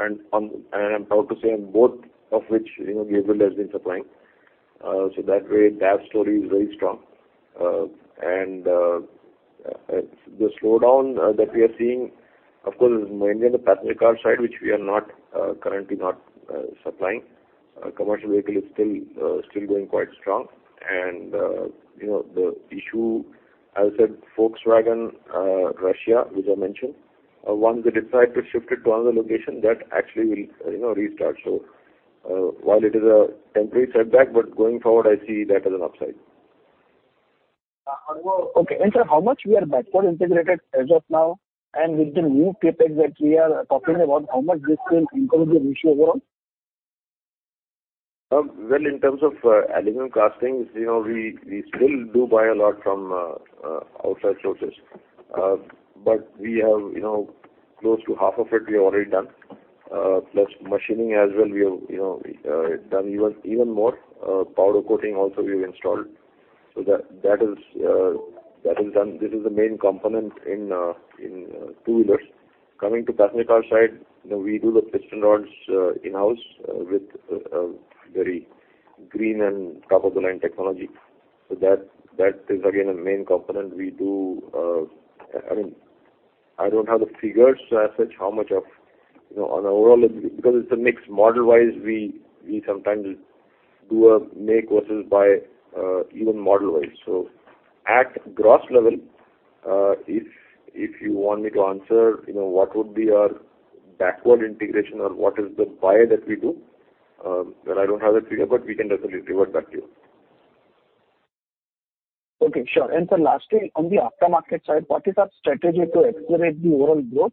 and... and I'm proud to say on both of which, you know, Gabriel has been supplying... so that way that story is very strong. And, the slowdown that we are seeing, of course, is mainly on the passenger car side, which we are not currently not supplying. Commercial vehicle is still going quite strong. And, you know, the issue, as I said, Volkswagen Russia, which I mentioned, once they decide to shift it to another location, that actually will, you know, restart. So, while it is a temporary setback, but going forward, I see that as an upside. Okay. And sir, how much we are backward integrated as of now? And with the new CapEx that we are talking about, how much this will improve the ratio overall? Well, in terms of aluminum castings, you know, we still do buy a lot from outside sources. But we have, you know, close to half of it, we have already done. Plus machining as well, we have, you know, done even more. Powder coating also we've installed. So that, that is done. This is the main component in two-wheelers. Coming to passenger car side, you know, we do the piston rods in-house with very green and top-of-the-line technology. So that, that is again, a main component we do, I mean, I don't have the figures to as such, how much of, you know, on overall, because it's a mixed model-wise, we sometimes do a make versus buy even model-wise. So at gross level, if you want me to answer, you know, what would be our backward integration or what is the buy that we do, then I don't have that figure, but we can definitely revert back to you. Okay, sure. Sir, lastly, on the aftermarket side, what is our strategy to accelerate the overall growth?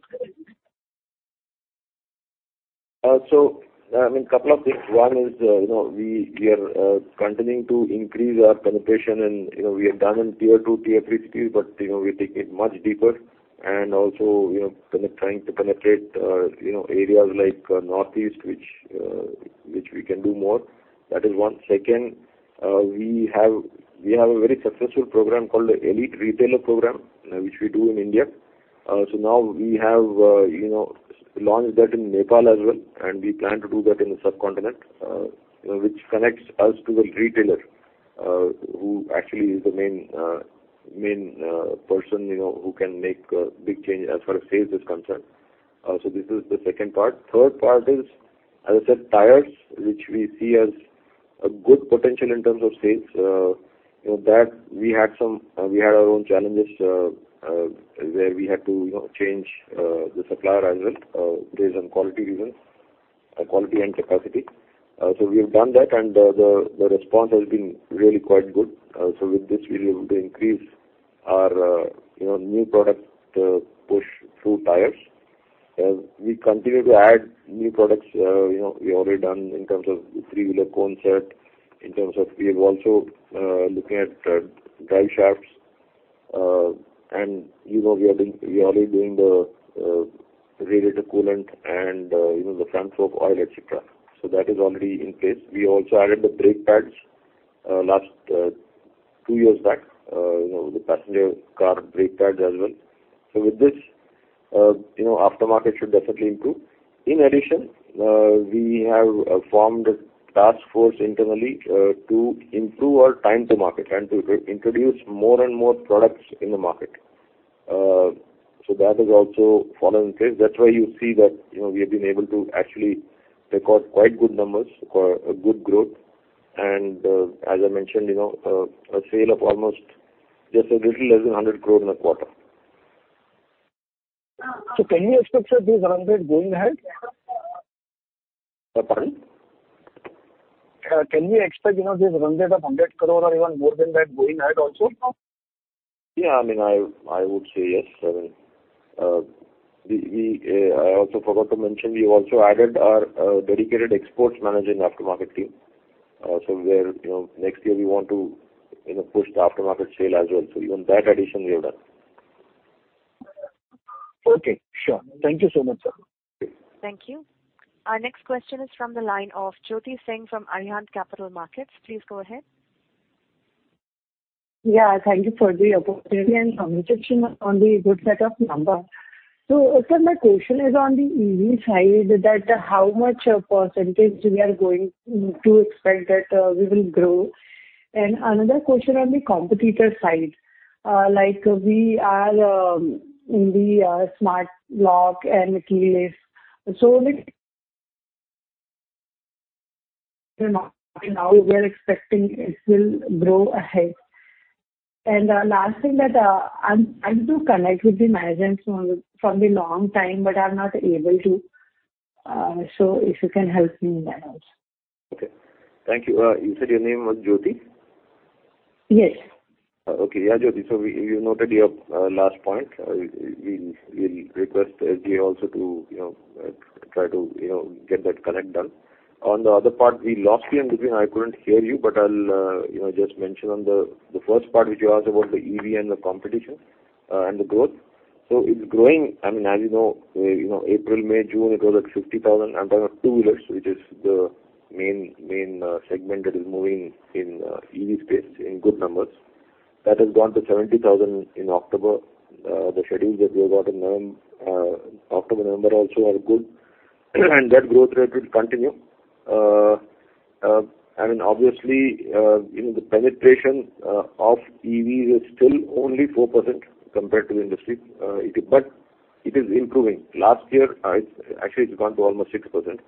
So, I mean, couple of things. One is, you know, we, we are continuing to increase our penetration and, you know, we have done in tier two, tier three cities, but, you know, we take it much deeper. And also, you know, trying to penetrate, you know, areas like, Northeast, which, which we can do more. That is one. Second, we have, we have a very successful program called the Elite Retailer Program, which we do in India. So now we have, you know, launched that in Nepal as well, and we plan to do that in the subcontinent, which connects us to the retailer, who actually is the main, main, person, you know, who can make a big change as far as sales is concerned. So this is the second part. Third part is, as I said, tires, which we see as a good potential in terms of sales. You know, that we had some... we had our own challenges, where we had to, you know, change the supplier as well, based on quality reasons, quality and capacity. So we have done that, and the response has been really quite good. So with this, we'll be able to increase our, you know, new product push through tires. We continue to add new products. You know, we've already done in terms of three-wheeler cone set, in terms of we are also looking at drive shafts. And you know, we are doing, we are already doing the radiator coolant and, you know, the transmission oil, et cetera. So that is already in place. We also added the brake pads, last, two years back, you know, the passenger car brake pads as well. So with this, you know, aftermarket should definitely improve. In addition, we have, formed a task force internally, to improve our time to market and to introduce more and more products in the market. So that is also fallen in place. That's why you see that, you know, we have been able to actually record quite good numbers, a good growth. And, as I mentioned, you know, a sale of almost just a little less than 100 crore in a quarter. Can we expect that this run rate going ahead? Pardon? Can we expect, you know, this run rate of 100 crore or even more than that going ahead also? Yeah, I mean, I would say yes. I mean, I also forgot to mention, we also added our dedicated exports manager in aftermarket team. So where, you know, next year we want to, you know, push the aftermarket sale as well. So even that addition we have done. Okay, sure. Thank you so much, sir. Thank you. Our next question is from the line of Jyoti Singh from Arihant Capital Markets. Please go ahead. Yeah, thank you for the opportunity and congratulations on the good set of numbers. So, sir, my question is on the EV side, that how much percentage we are going to expect that, we will grow? And another question on the competitor side, like we are, in the, smart lock and keyless. So the now we are expecting it will grow ahead. And, last thing that, I, I do connect with the management for, for the long time, but I'm not able to, so if you can help me in that also. Okay. Thank you. You said your name was Jyoti? Yes. Okay. Yeah, Jyoti, so we, you noted your last point. We will request Ajay also to, you know, try to, you know, get that connect done. On the other part, we lost you in between. I couldn't hear you, but I'll, you know, just mention on the first part which you asked about the EV and the competition, and the growth. So it's growing, I mean, as you know, you know, April, May, June, it was at 60,000, I'm talking of two wheelers, which is the main segment that is moving in EV space in good numbers. That has gone to 70,000 in October. The schedules that we have got in November, October, November also are good, and that growth rate will continue. I mean, obviously, you know, the penetration of EVs is still only 4% compared to the industry. But it is improving. Last year, actually, it's gone to almost 6%.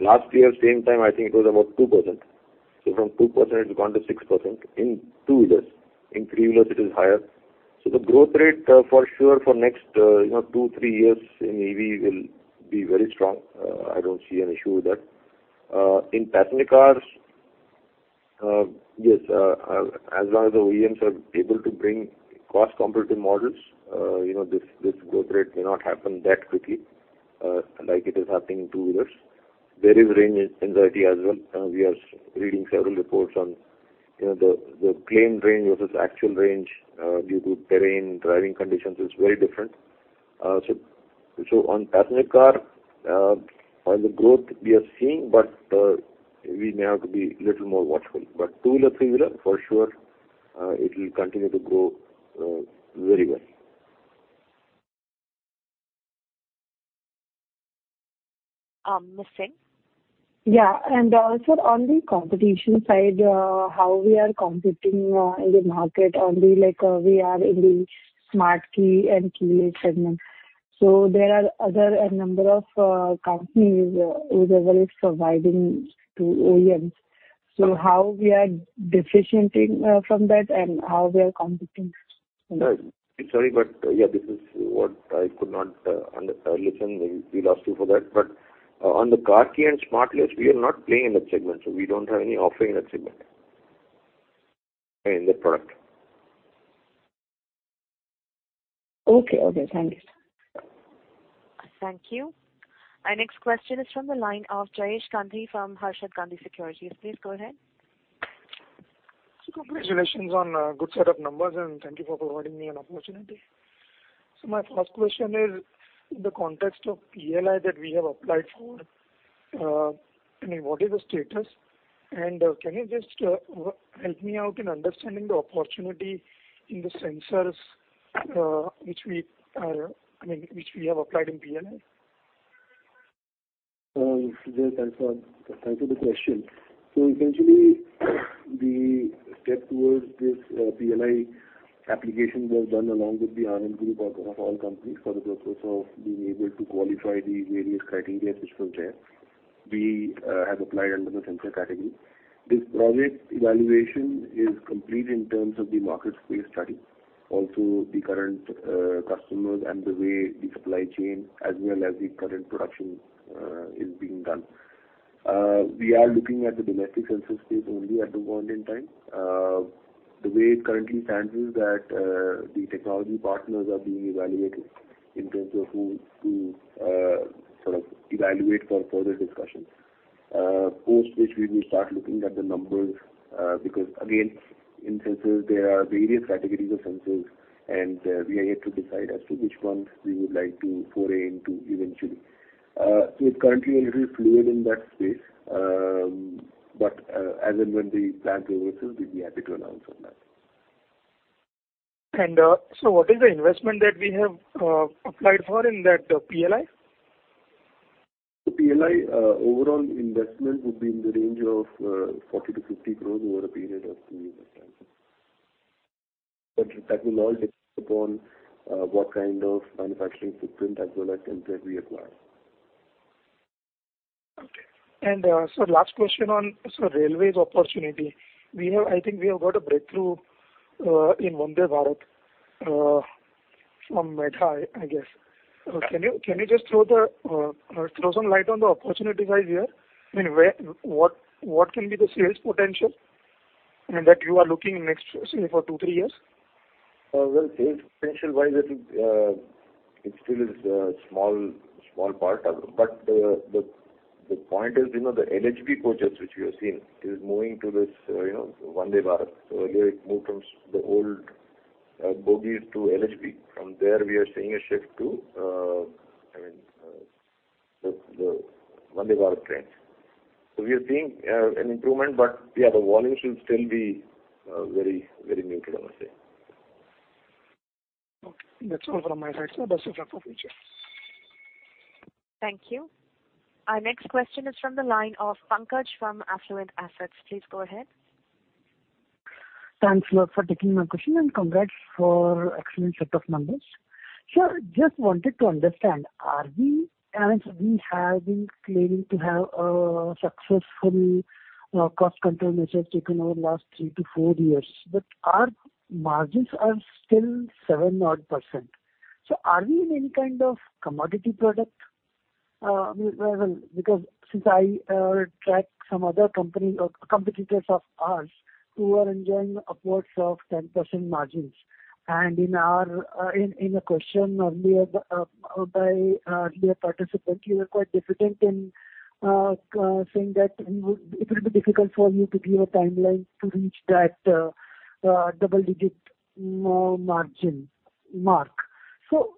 Last year, same time, I think it was about 2%. So from 2%, it's gone to 6% in two years. In three years, it is higher. So the growth rate, for sure for next, you know, two, three years in EV will be very strong. I don't see an issue with that. In passenger cars, yes, as long as the OEMs are able to bring cost-competitive models, you know, this, this growth rate may not happen that quickly, like it is happening in two-wheelers. There is range anxiety as well. We are reading several reports on, you know, the claimed range versus actual range due to terrain, driving conditions, is very different. So on passenger car, on the growth we are seeing, but we may have to be little more watchful. But two-wheeler, three-wheeler, for sure, it will continue to grow very well. Ms. Singh? Yeah, and also on the competition side, how we are competing in the market, like, we are in the smart key and keyless segment. So there are other, a number of, companies who are very surviving to OEMs. So how we are differentiating from that, and how we are competing? Sorry, but yeah, this is what I could not understand. We'll ask you for that. But on the car key and smartless, we are not playing in that segment, so we don't have any offering in that segment, in the product. Okay. Okay, thank you, sir. Thank you. Our next question is from the line of Jayesh Gandhi from Harshad Gandhi Securities. Please go ahead. Congratulations on a good set of numbers, and thank you for providing me an opportunity. So my first question is, the context of PLI that we have applied for, I mean, what is the status? And, can you just, help me out in understanding the opportunity in the sensors, which we are, I mean, which we have applied in PLI? Jay, thanks for, thanks for the question. So eventually, the step towards this, PLI application was done along with the Anand Group of, of all companies, for the purpose of being able to qualify the various criteria which were there. We, have applied under the sensor category. This project evaluation is complete in terms of the market space study, also the current, customers and the way the supply chain, as well as the current production, is being done. We are looking at the domestic sensor space only at the point in time. The way it currently stands is that, the technology partners are being evaluated in terms of who to, sort of evaluate for further discussions. Post which we will start looking at the numbers, because again, in sensors, there are various categories of sensors, and we are yet to decide as to which ones we would like to foray into eventually. So it's currently a little fluid in that space, but as and when the plan reverses, we'll be happy to announce on that. So, what is the investment that we have applied for in that PLI? The PLI, overall investment would be in the range of 40-50 crores over a period of two years time. But that will all depend upon what kind of manufacturing footprint as well as template we acquire. Okay. And, so last question on, so railways opportunity. We have, I think we have got a breakthrough, in Vande Bharat, from Medha, I guess. Can you just throw some light on the opportunity side here? I mean, where, what, what can be the sales potential, I mean, that you are looking in next, say, for two, three years? Well, sales potential-wise, it still is a small, small part of it. But the point is, you know, the LHB coaches, which we have seen, is moving to this, you know, Vande Bharat. So earlier, it moved from the old bogies to LHB. From there, we are seeing a shift to, I mean, the Vande Bharat trains. So we are seeing an improvement, but yeah, the volumes will still be very, very new, I would say. Okay. That's all from my side, sir. Best of luck for future. Thank you. Our next question is from the line of Pankaj from Affluent Assets. Please go ahead. Thanks a lot for taking my question, and congrats for excellent set of numbers. Sir, just wanted to understand, are we... We have been claiming to have successfully cost control measures taken over the last three to four years, but our margins are still seven odd %. So are we in any kind of commodity product? Well, because since I tracked some other company or competitors of ours who are enjoying upwards of 10% margins, and in our, in, in a question earlier by dear participant, you were quite hesitant in saying that it would, it will be difficult for you to give a timeline to reach that double-digit margin mark. So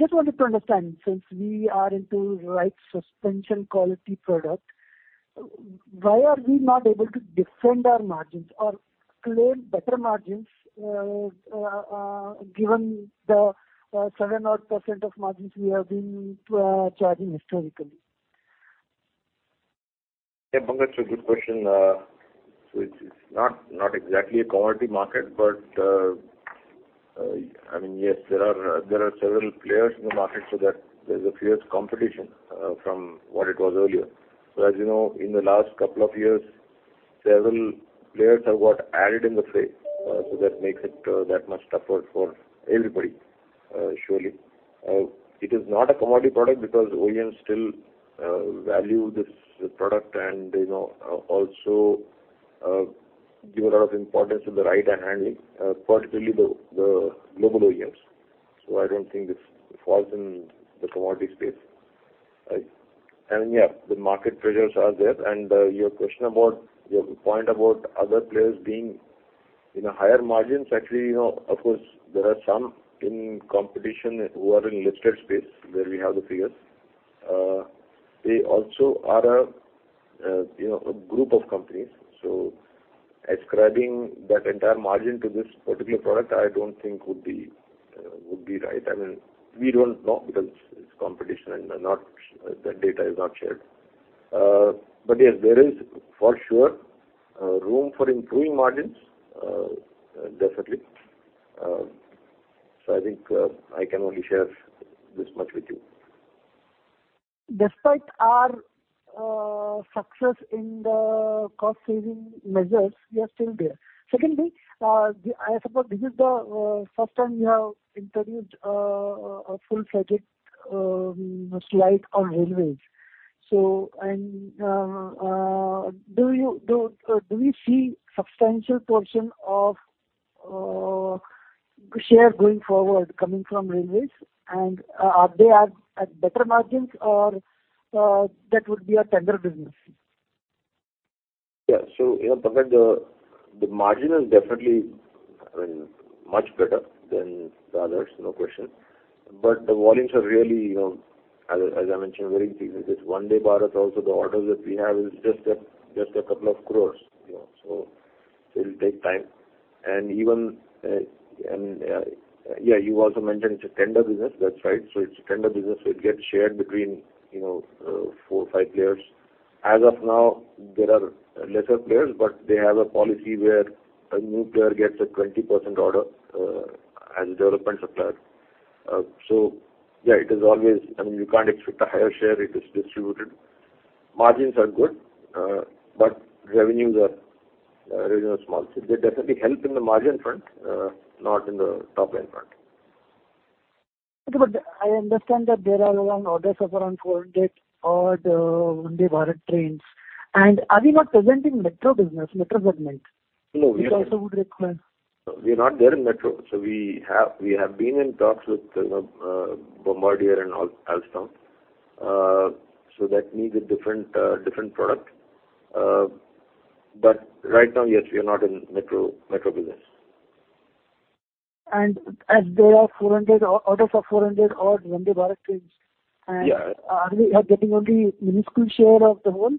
just wanted to understand, since we are into ride suspension quality product-... Why are we not able to defend our margins or claim better margins, given the seven-odd% of margins we have been charging historically? Yeah, Pankaj, it's a good question. So it's not exactly a commodity market, but, I mean, yes, there are several players in the market, so that there's a fierce competition, from what it was earlier. So as you know, in the last couple of years, several players have got added in the fray, so that makes it that much tougher for everybody, surely. It is not a commodity product because OEMs still value this product and, you know, also give a lot of importance to the ride and handling, particularly the global OEMs. So I don't think this falls in the commodity space. Yeah, the market pressures are there. And, your question about, your point about other players being in a higher margins, actually, you know, of course, there are some in competition who are in listed space, where we have the figures. They also are a, you know, a group of companies, so ascribing that entire margin to this particular product, I don't think would be, would be right. I mean, we don't know because it's competition and not, the data is not shared. But yes, there is, for sure, room for improving margins, definitely. So I think, I can only share this much with you. Despite our success in the cost-saving measures, we are still there. Secondly, I suppose this is the first time we have introduced a full-fledged slide on railways. So, do we see substantial portion of share going forward coming from railways? And, are they at better margins or that would be a tender business? Yeah. So, you know, Pankaj, the margin is definitely, I mean, much better than the others, no question. But the volumes are really, you know, as I mentioned, very big. This Vande Bharat also, the orders that we have is just a couple of crores, you know, so it'll take time. And even, yeah, you also mentioned it's a tender business. That's right. So it's a tender business, so it gets shared between, you know, four, five players. As of now, there are lesser players, but they have a policy where a new player gets a 20% order as development supplier. So yeah, it is always, I mean, you can't expect a higher share, it is distributed. Margins are good, but revenues are revenues are small. They definitely help in the margin front, not in the top-line front. Okay, but I understand that there are around orders of around 400 odd Vande Bharat trains. And are we not present in metro business, metro segment? No, we- It also would require- We are not there in metro. So we have, we have been in talks with Bombardier and Alstom. So that needs a different, different product. But right now, yes, we are not in metro, metro business. As there are 400 orders of 400-odd Vande Bharat trains- Yeah. Are we getting only minuscule share of the whole?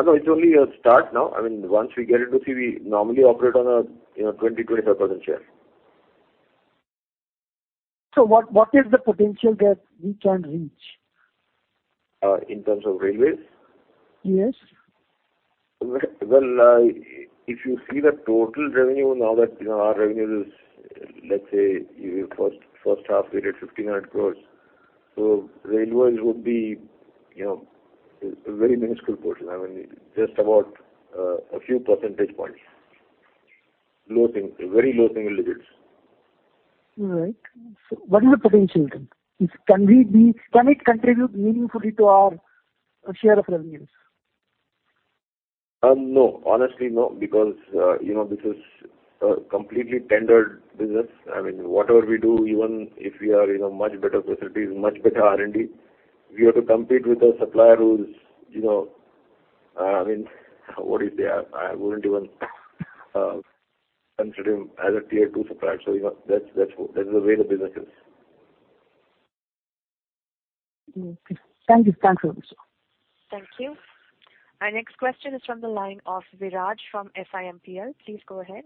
No, it's only a start now. I mean, once we get into it, we normally operate on a, you know, 20%-25% share. What is the potential that we can reach? In terms of railways? Yes. Well, if you see the total revenue now that, you know, our revenue is, let's say, in first half, we did 59 crore. So railways would be, you know, a very minuscule portion. I mean, just about, a few percentage points. Low single, very low single digits. All right. So what is the potential then? Can it contribute meaningfully to our share of revenues? No. Honestly, no, because, you know, this is a completely tendered business. I mean, whatever we do, even if we are in a much better facilities, much better R&D, we have to compete with a supplier who's, you know, I mean, what is there? I wouldn't even, consider him as a tier two supplier. So, you know, that's, that's, that is the way the business is. Okay. Thank you. Thanks very much. Thank you. Our next question is from the line of Viraj from SIMPL. Please go ahead.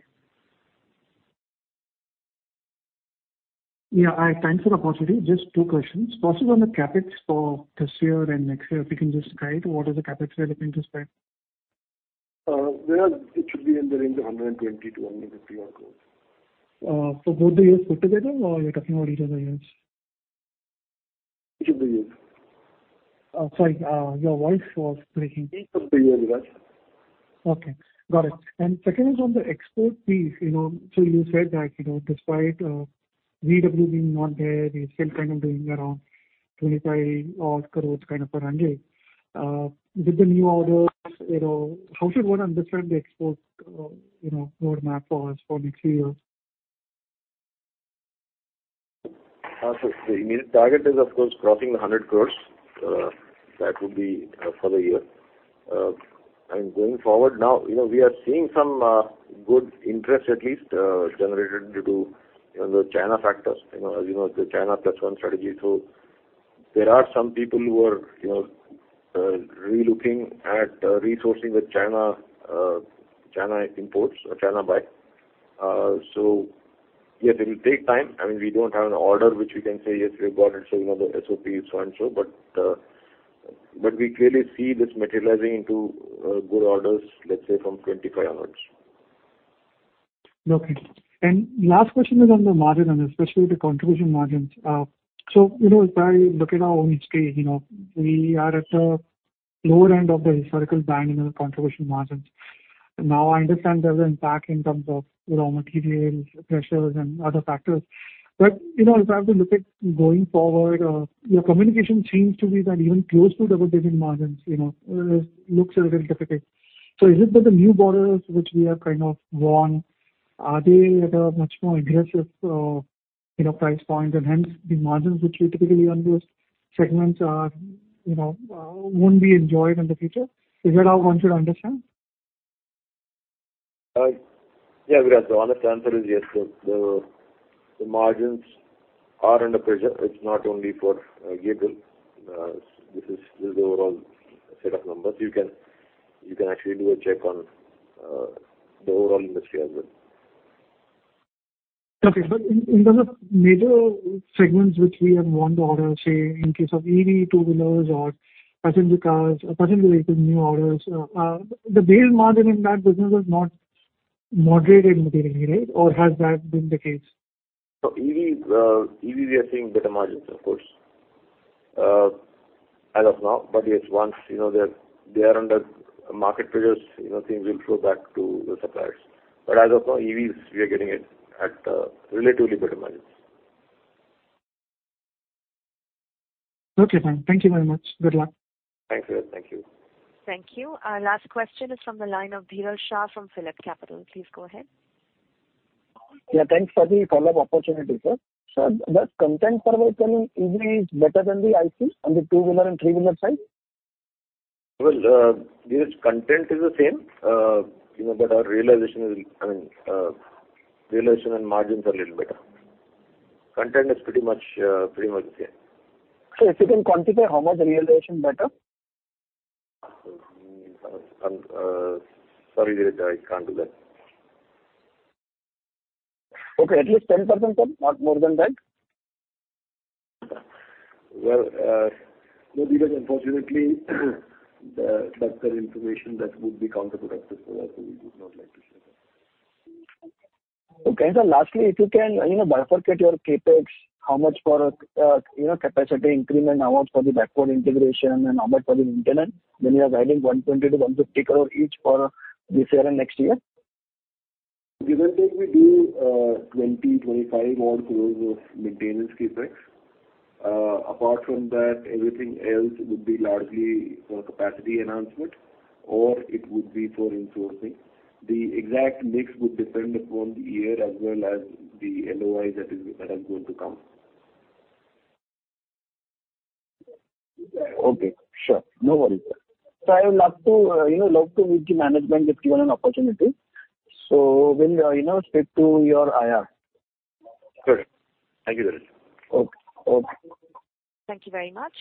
Yeah, thank you for the opportunity. Just two questions. First, on the CapEx for this year and next year, if you can just guide, what is the CapEx we are looking to spend? Well, it should be in the range of 120-150-odd crore. For both the years put together, or you're talking about each of the years? Each of the years. Sorry, your voice was breaking. Each of the years, Viraj. Okay, got it. And second is on the export piece, you know. So you said that, you know, despite VW being not there, we're still kind of doing around 25 odd crore INR kind of per annum. With the new orders, you know, how should one understand the export, you know, roadmap for us for next few years? So the immediate target is, of course, crossing 100 crore. That would be for the year.... and going forward now, you know, we are seeing some good interest, at least, generated due to, you know, the China factors. You know, as you know, the China plus one strategy. So there are some people who are, you know, relooking at resourcing the China, China imports or China buy. So yes, it will take time, and we don't have an order which we can say, "Yes, we've got it, so you know, the SOP is so and so." But, but we clearly see this materializing into good orders, let's say from 25 onwards. Okay. Last question is on the margin, and especially the contribution margins. So, you know, if I look at our own history, you know, we are at the lower end of the historical band in our contribution margins. Now, I understand there's an impact in terms of raw material pressures and other factors. But, you know, if I have to look at going forward, your communication seems to be that even close to double-digit margins, you know, looks a little difficult. So is it that the new orders which we have kind of won, are they at a much more aggressive, you know, price point, and hence the margins which we typically earn those segments are, you know, won't be enjoyed in the future? Is that how I want you to understand? Yeah, we are. So, the answer is yes. So, the margins are under pressure. It's not only for Gabriel. This is the overall set of numbers. You can actually do a check on the overall industry as well. Okay. But in terms of major segments which we have won the order, say, in case of EV, two-wheelers or passenger cars, passenger related new orders, the base margin in that business has not moderated materially, right? Or has that been the case? So EV, EV, we are seeing better margins, of course, as of now. But yes, once, you know, they're, they are under market pressures, you know, things will flow back to the suppliers. But as of now, EVs, we are getting it at, relatively better margins. Okay, fine. Thank you very much. Good luck. Thanks, thank you. Thank you. Our last question is from the line of Dhiral Shah from Phillips Capital. Please go ahead. Yeah, thanks for the call up opportunity, sir. Sir, does content per se coming EV is better than the ICE on the two-wheeler and three-wheeler side? Well, Dhiral, content is the same, you know, but our realization is, I mean, realization and margins are a little better. Content is pretty much, pretty much the same. So if you can quantify how much the realization better? Sorry, Dhiral, I can't do that. Okay. At least 10%, sir, not more than that? Well, no, Dhiral, unfortunately, that's the information that would be counterproductive, so we would not like to share that. Okay. Lastly, if you can, you know, bifurcate your CapEx, how much for, you know, capacity increment amount for the backward integration and how much for the internet, when you are guiding 120-150 crore each for this year and next year? Given that we do 25 odd crores of maintenance CapEx. Apart from that, everything else would be largely for capacity enhancement, or it would be for insourcing. The exact mix would depend upon the year as well as the LOI that is, that is going to come. Okay, sure. No worries, sir. So I would love to, you know, love to meet the management if given an opportunity. So when, you know, speak to your IR. Good. Thank you, Dhiral. Okay. Thank you very much.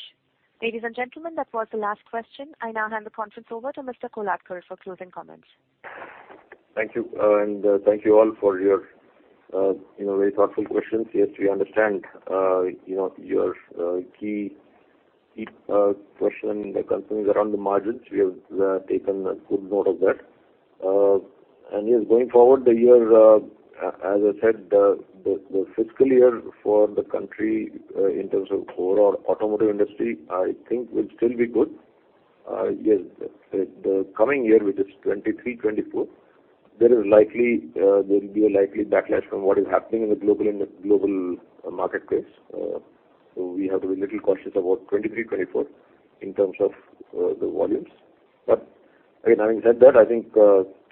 Ladies and gentlemen, that was the last question. I now hand the conference over to Mr. Kolhatkar for closing comments. Thank you, and thank you all for your, you know, very thoughtful questions. Yes, we understand, you know, your key, key question concerning around the margins. We have taken a good note of that. And yes, going forward, the year, as I said, the, the fiscal year for the country, in terms of overall automotive industry, I think will still be good. Yes, the coming year, which is 2023-2024, there is likely, there will be a likely backlash from what is happening in the global and the global marketplace. So we have to be little cautious about 2023-2024 in terms of the volumes. But again, having said that, I think,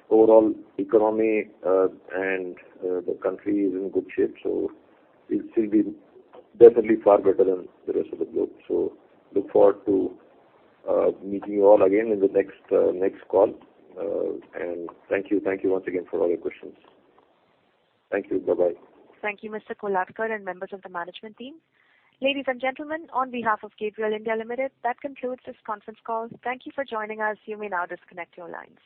overall economy, and, the country is in good shape, so it will still be definitely far better than the rest of the globe. So look forward to, meeting you all again in the next, next call. And thank you, thank you once again for all your questions. Thank you. Bye-bye. Thank you, Mr. Kolhatkar, and members of the management team. Ladies and gentlemen, on behalf of Gabriel India Limited, that concludes this conference call. Thank you for joining us. You may now disconnect your lines.